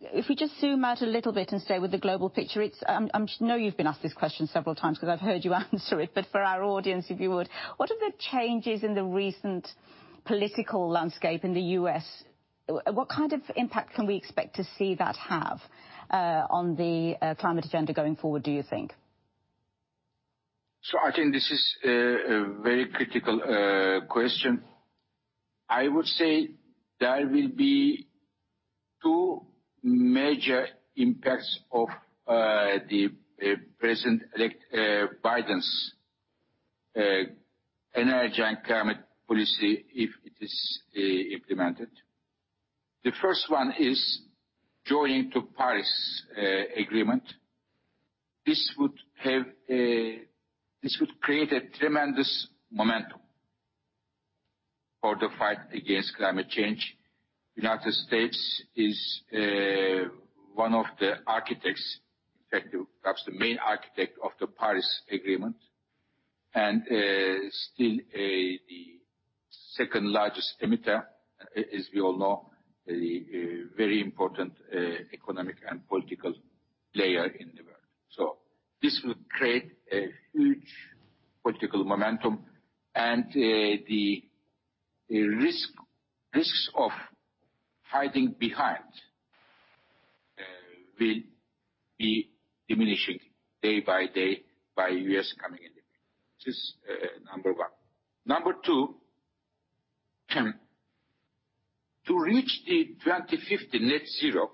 If we just zoom out a little bit and stay with the global picture, I know you've been asked this question several times because I've heard you answer it, but for our audience, if you would. What are the changes in the recent political landscape in the U.S.? What kind of impact can we expect to see that have on the climate agenda going forward, do you think? I think this is a very critical question. I would say there will be two major impacts of the President-elect Biden's energy and climate policy if it is implemented. The first one is joining to Paris Agreement. This would create a tremendous momentum for the fight against climate change. United States is one of the architects, in fact, perhaps the main architect of the Paris Agreement, and still the second-largest emitter, as we all know, a very important economic and political player in the world. This will create a huge political momentum, and the risks of hiding behind will be diminishing day by day, by U.S. coming in. This is number one. Number two, to reach the 2050 net zero,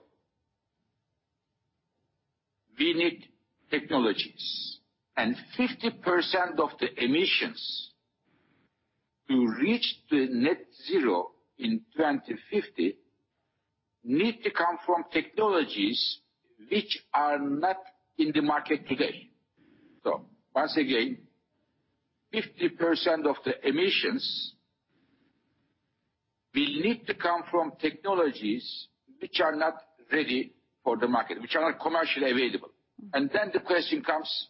we need technologies, and 50% of the emissions to reach the net zero in 2050 need to come from technologies which are not in the market today. Once again, 50% of the emissions will need to come from technologies which are not ready for the market, which are not commercially available. The question comes,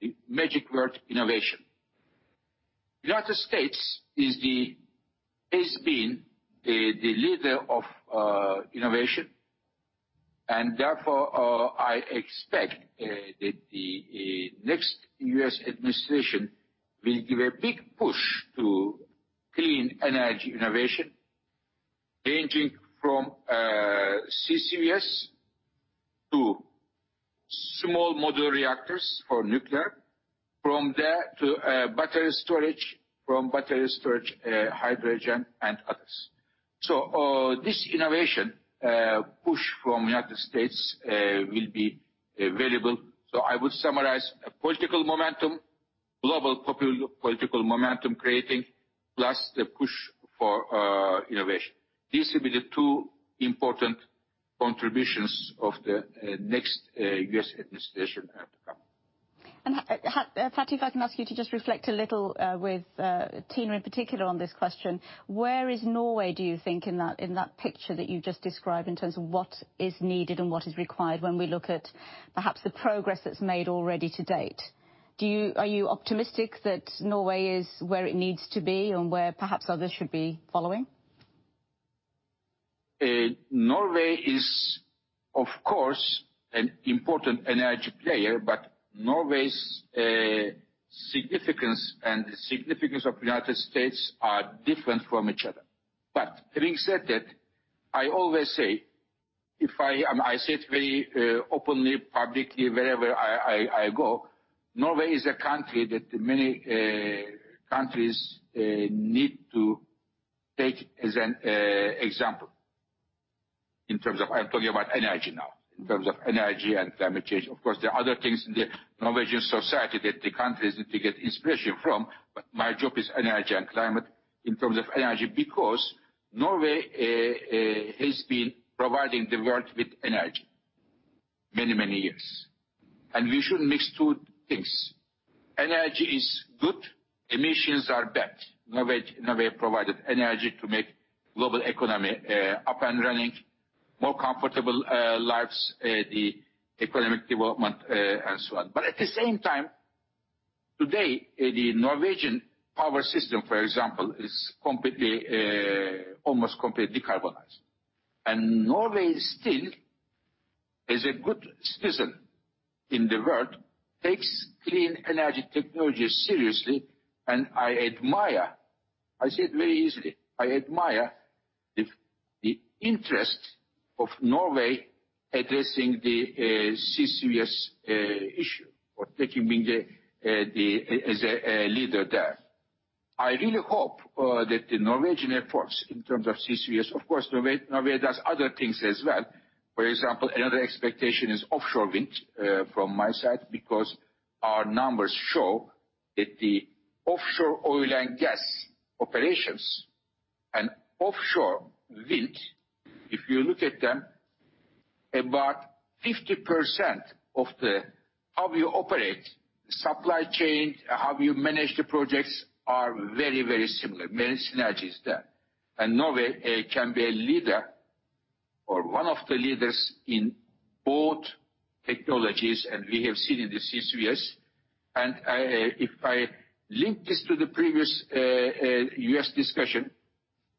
the magic word, innovation. United States has been the leader of innovation, and therefore, I expect that the next U.S. administration will give a big push to clean energy innovation, ranging from CCUS to small modular reactors for nuclear, from there to battery storage, from battery storage, hydrogen, and others. This innovation push from United States will be available. I would summarize a political momentum, global political momentum creating, plus the push for innovation. These will be the two important contributions of the next U.S. administration to come. Fatih, if I can ask you to just reflect a little with Tina in particular on this question. Where is Norway, do you think, in that picture that you've just described in terms of what is needed and what is required when we look at perhaps the progress that's made already to date? Are you optimistic that Norway is where it needs to be and where perhaps others should be following? Norway is, of course, an important energy player. Norway's significance and the significance of the U.S. are different from each other. Having said that, I always say, I say it very openly, publicly, wherever I go, Norway is a country that many countries need to take as an example. In terms of, I am talking about energy now, in terms of energy and climate change. Of course, there are other things in the Norwegian society that the country is yet to get inspiration from, but my job is energy and climate in terms of energy, because Norway has been providing the world with energy many, many years. We shouldn't mix two things. Energy is good, emissions are bad. Norway provided energy to make global economy up and running, more comfortable lives, the economic development, and so on. At the same time, today, the Norwegian power system, for example, is almost completely decarbonized. Norway still, as a good citizen in the world, takes clean energy technology seriously, and I admire, I say it very easily, I admire the interest of Norway addressing the CCUS issue or taking being as a leader there. I really hope that the Norwegian efforts in terms of CCUS, of course, Norway does other things as well. For example, another expectation is offshore wind from my side, because our numbers show that the offshore oil and gas operations and offshore wind, if you look at them, about 50% of how we operate supply chain, how we manage the projects are very, very similar. Many synergies there. Norway can be a leader or one of the leaders in both technologies, and we have seen in the CCUS. If I link this to the previous U.S. discussion,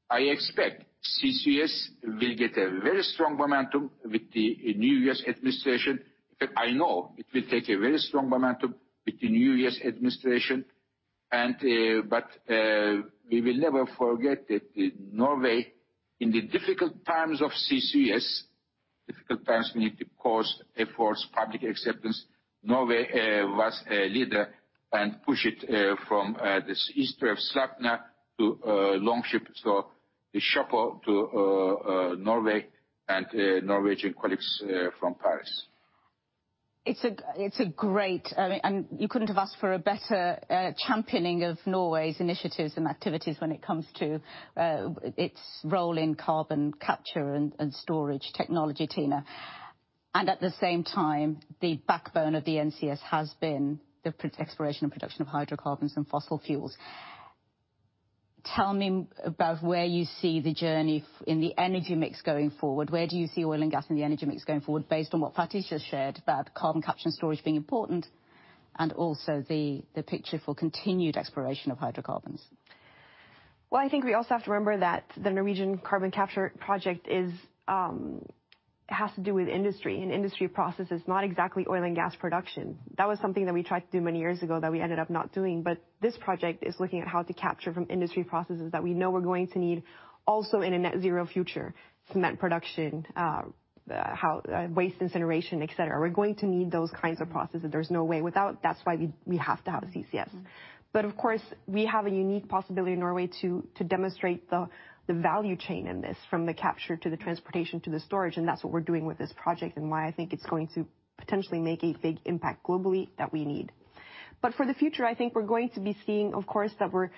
I expect CCUS will get a very strong momentum with the new U.S. administration. In fact, I know it will take a very strong momentum with the new U.S. administration, we will never forget that Norway, in the difficult times of CCUS, difficult times we need to pause efforts, public acceptance, Norway was a leader and push it from this history of Sleipner to Longship. Chapeau to Norway and Norwegian colleagues from Paris. It's great, you couldn't have asked for a better championing of Norway's initiatives and activities when it comes to its role in carbon capture and storage technology, Tina. At the same time, the backbone of the NCS has been the exploration and production of hydrocarbons and fossil fuels. Tell me about where you see the journey in the energy mix going forward. Where do you see oil and gas in the energy mix going forward based on what Fatih just shared about carbon capture and storage being important, and also the picture for continued exploration of hydrocarbons? Well, I think we also have to remember that the Norwegian carbon capture project has to do with industry and industry processes, not exactly oil and gas production. That was something that we tried to do many years ago that we ended up not doing. This project is looking at how to capture from industry processes that we know we're going to need also in a net zero future. Cement production, waste incineration, et cetera. We're going to need those kinds of processes. There's no way without. That's why we have to have CCS. Of course, we have a unique possibility in Norway to demonstrate the value chain in this, from the capture to the transportation to the storage, and that's what we're doing with this project and why I think it's going to potentially make a big impact globally that we need. For the future, I think we're going to be seeing, of course, that we're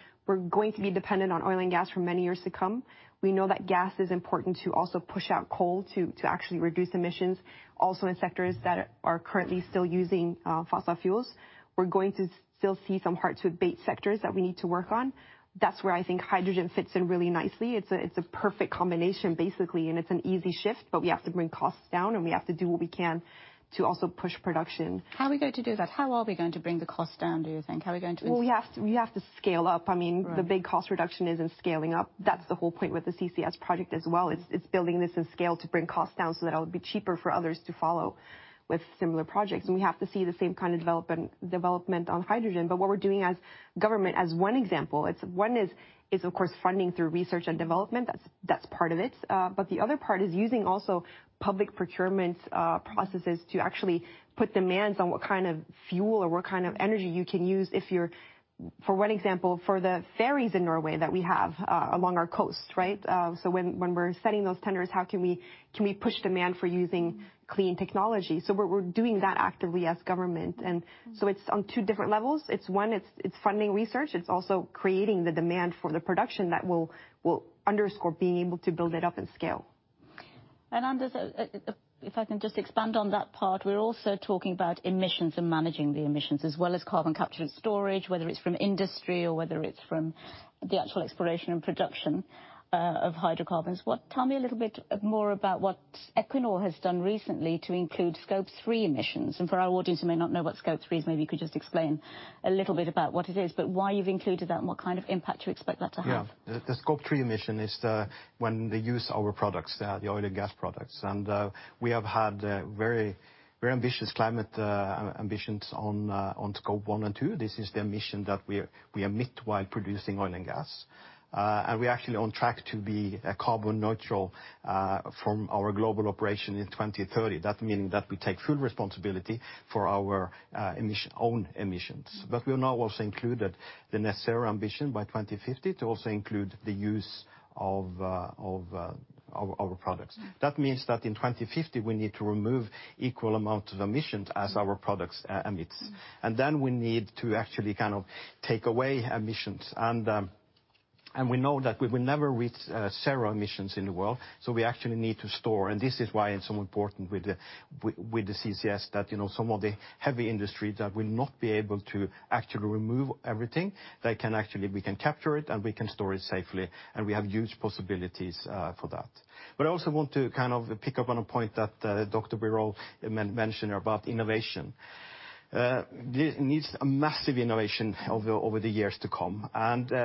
going to be dependent on oil and gas for many years to come. We know that gas is important to also push out coal to actually reduce emissions, also in sectors that are currently still using fossil fuels. We're going to still see some hard-to-abate sectors that we need to work on. That's where I think hydrogen fits in really nicely. It's a perfect combination, basically, and it's an easy shift, but we have to bring costs down, and we have to do what we can to also push production. How are we going to do that? How are we going to bring the cost down, do you think? Well, we have to scale up. Right. The big cost reduction is in scaling up. That's the whole point with the CCS project as well. It's building this in scale to bring costs down so that it'll be cheaper for others to follow with similar projects. We have to see the same kind of development on hydrogen. What we're doing as government, as one example, one is of course funding through research and development. That's part of it. The other part is using also public procurement processes to actually put demands on what kind of fuel or what kind of energy you can use if you're, for one example, for the ferries in Norway that we have along our coast, right? When we're setting those tenders, how can we push demand for using clean technology? We're doing that actively as government, and so it's on two different levels. It's one, it's funding research. It's also creating the demand for the production that will underscore being able to build it up in scale. Anders, if I can just expand on that part. We're also talking about emissions and managing the emissions as well as carbon capture and storage, whether it's from industry or whether it's from the actual exploration and production of hydrocarbons. Tell me a little bit more about what Equinor has done recently to include Scope 3 emissions. For our audience who may not know what Scope 3 is, maybe you could just explain a little bit about what it is, but why you've included that and what kind of impact you expect that to have. Yeah. The Scope 3 emission is when they use our products, the oil and gas products. We have had very ambitious climate ambitions on Scope 1 and 2. This is the emission that we emit while producing oil and gas. We're actually on track to be carbon neutral from our global operation in 2030. That meaning that we take full responsibility for our own emissions. We have now also included the necessary ambition by 2050 to also include the use of our products. That means that in 2050, we need to remove equal amount of emissions as our products emits. Then we need to actually kind of take away emissions. We know that we will never reach zero emissions in the world, so we actually need to store. This is why it's so important with the CCS that some of the heavy industry that will not be able to actually remove everything, we can capture it, and we can store it safely, and we have huge possibilities for that. I also want to pick up on a point that Dr. Birol mentioned about innovation. It needs a massive innovation over the years to come.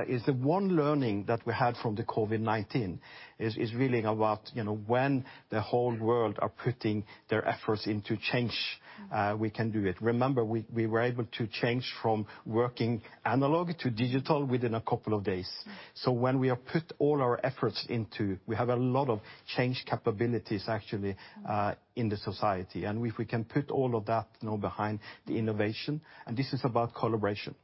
Is the one learning that we had from the COVID-19 is really about, when the whole world are putting their efforts into change, we can do it. Remember, we were able to change from working analog to digital within a couple of days. When we put all our efforts, we have a lot of change capabilities actually in the society. If we can put all of that behind the innovation, and this is about collaboration.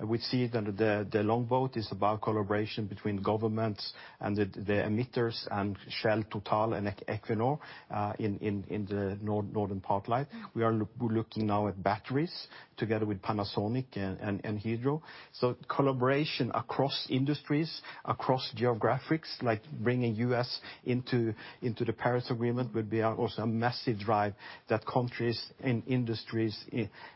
We see that the Longboat is about collaboration between governments and the emitters and Shell, Total and Equinor in the Northern Lights. We are looking now at batteries together with Panasonic and Hydro. Collaboration across industries, across geographics, like bringing U.S. into the Paris Agreement would be also a massive drive that countries and industries,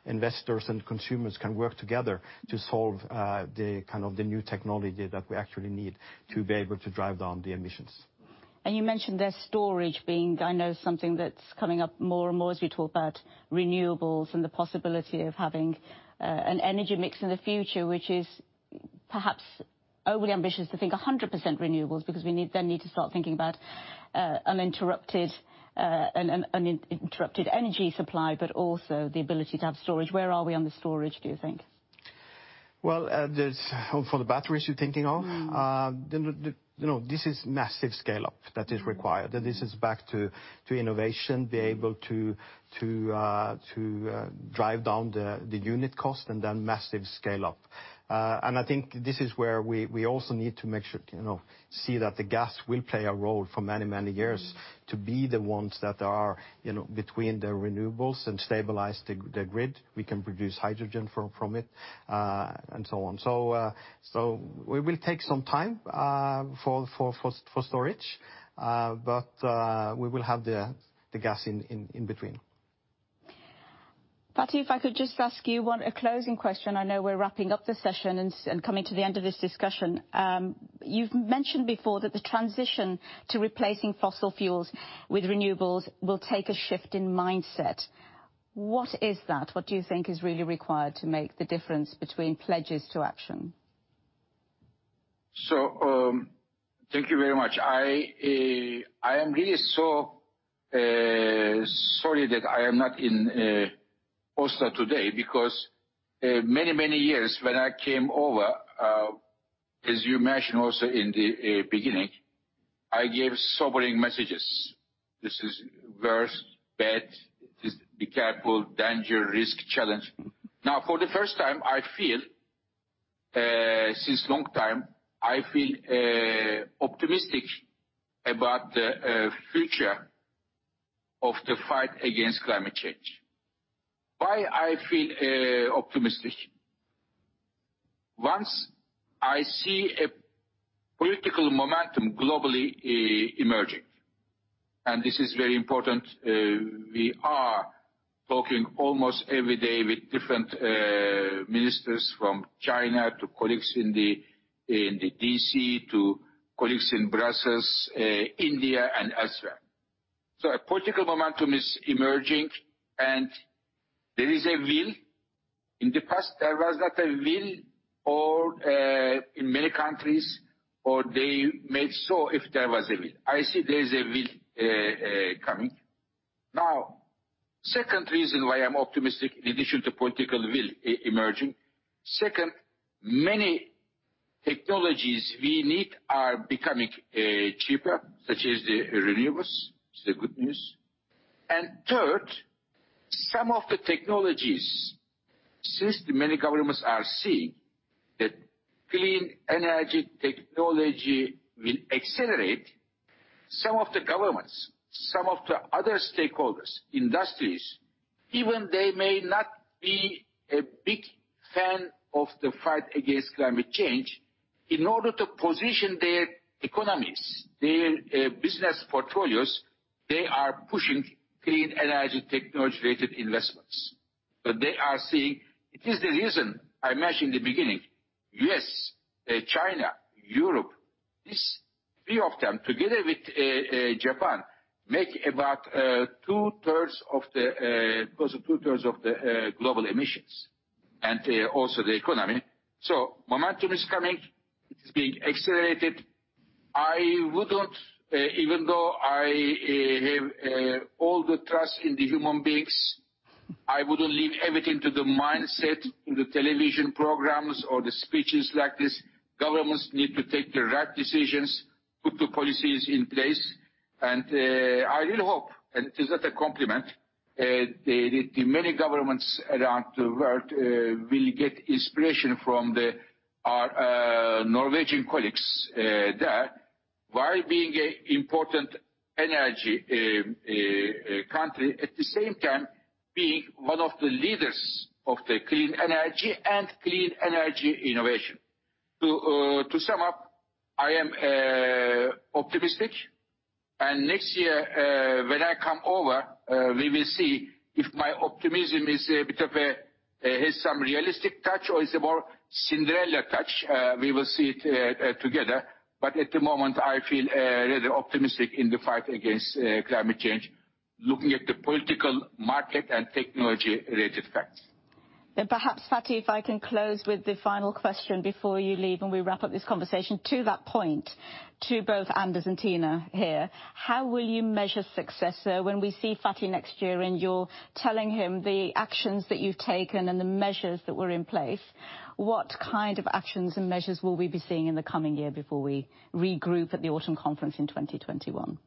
investors and consumers can work together to solve the new technology that we actually need to be able to drive down the emissions. You mentioned there storage being, I know something that's coming up more and more as we talk about renewables and the possibility of having an energy mix in the future, which is perhaps overly ambitious to think 100% renewables, because we then need to start thinking about an uninterrupted energy supply, but also the ability to have storage. Where are we on the storage, do you think? Well, for the batteries you're thinking of. This is massive scale-up that is required. This is back to innovation, be able to drive down the unit cost and then massive scale up. I think this is where we also need to see that the gas will play a role for many, many years to be the ones that are between the renewables and stabilize the grid. We can produce hydrogen from it, and so on. We will take some time for storage, but we will have the gas in between. Fatih, if I could just ask you one, a closing question. I know we're wrapping up the session and coming to the end of this discussion. You've mentioned before that the transition to replacing fossil fuels with renewables will take a shift in mindset. What is that? What do you think is really required to make the difference between pledges to action? Thank you very much. I am really so sorry that I am not in Oslo today because many, many years when I came over, as you mentioned also in the beginning, I gave sobering messages. This is worse, bad. Be careful. Danger, risk, challenge. For the first time, I feel since long time, I feel optimistic about the future of the fight against climate change. Why I feel optimistic? Once I see a political momentum globally emerging, and this is very important, we are talking almost every day with different ministers from China to colleagues in the D.C., to colleagues in Brussels, India and Israel. A political momentum is emerging, and there is a will. In the past, there was not a will or, in many countries, or they made so if there was a will. I see there is a will coming. Second reason why I'm optimistic, in addition to political will emerging. Second, many technologies we need are becoming cheaper, such as the renewables, is the good news. Third, some of the technologies, since many governments are seeing that clean energy technology will accelerate some of the governments, some of the other stakeholders, industries, even they may not be a big fan of the fight against climate change, in order to position their economies, their business portfolios, they are pushing clean energy technology-related investments. They are seeing it is the reason I mentioned in the beginning. U.S., China, Europe, these three of them, together with Japan, make about 2/3 of the global emissions, and also the economy. Momentum is coming. It is being accelerated. Even though I have all the trust in the human beings, I wouldn't leave everything to the mindset in the television programs or the speeches like this. Governments need to take the right decisions, put the policies in place, and I really hope, and it is not a compliment, the many governments around the world will get inspiration from our Norwegian colleagues there. While being an important energy country, at the same time, being one of the leaders of the clean energy and clean energy innovation. To sum up, I am optimistic, and next year, when I come over, we will see if my optimism has some realistic touch or is a more Cinderella touch. We will see it together. At the moment, I feel really optimistic in the fight against climate change, looking at the political, market, and technology-related facts. Perhaps, Fatih, if I can close with the final question before you leave, and we wrap up this conversation. To that point, to both Anders and Tina here, how will you measure success? When we see Fatih next year, and you're telling him the actions that you've taken and the measures that were in place, what kind of actions and measures will we be seeing in the coming year before we regroup at the Autumn Conference in 2021?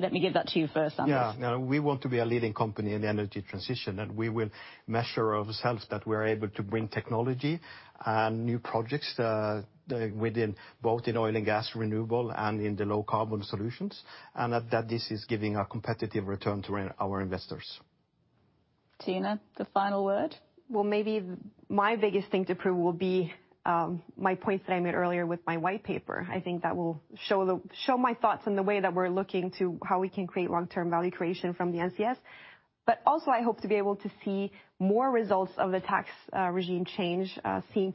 Let me give that to you first, Anders. Yeah. We want to be a leading company in the energy transition. We will measure ourselves that we're able to bring technology and new projects both in oil and gas, renewable, and in the low carbon solutions, and that this is giving a competitive return to our investors. Tina, the final word? Maybe my biggest thing to prove will be my points that I made earlier with my white paper. I think that will show my thoughts and the way that we're looking to how we can create long-term value creation from the NCS. Also, I hope to be able to see more results of the tax regime change, seeing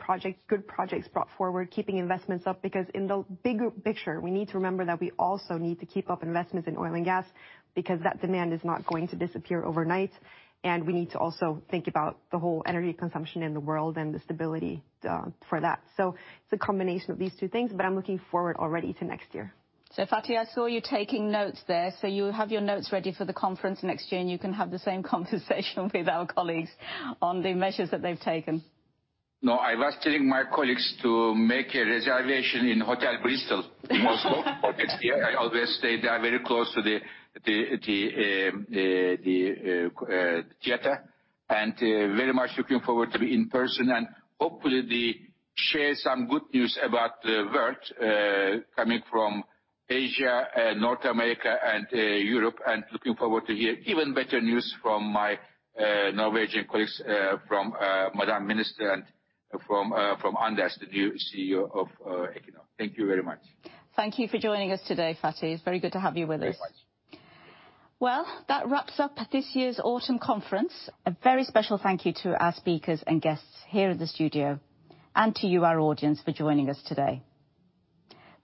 good projects brought forward, keeping investments up. In the big picture, we need to remember that we also need to keep up investments in oil and gas because that demand is not going to disappear overnight, and we need to also think about the whole energy consumption in the world and the stability for that. It's a combination of these two things, I'm looking forward already to next year. Fatih, I saw you taking notes there. You'll have your notes ready for the conference next year, and you can have the same conversation with our colleagues on the measures that they've taken. No, I was telling my colleagues to make a reservation in Hotel Bristol in Oslo for next year. I always stay there, very close to the theater. Very much looking forward to be in person, and hopefully share some good news about the world coming from Asia, North America, and Europe. Looking forward to hear even better news from my Norwegian colleagues, from Madam Minister, and from Anders, the new CEO of Equinor. Thank you very much. Thank you for joining us today, Fatih. It's very good to have you with us. Thank you very much. That wraps up this year's Autumn Conference. A very special thank you to our speakers and guests here in the studio, and to you, our audience, for joining us today.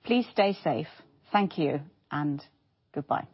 Please stay safe. Thank you, and goodbye.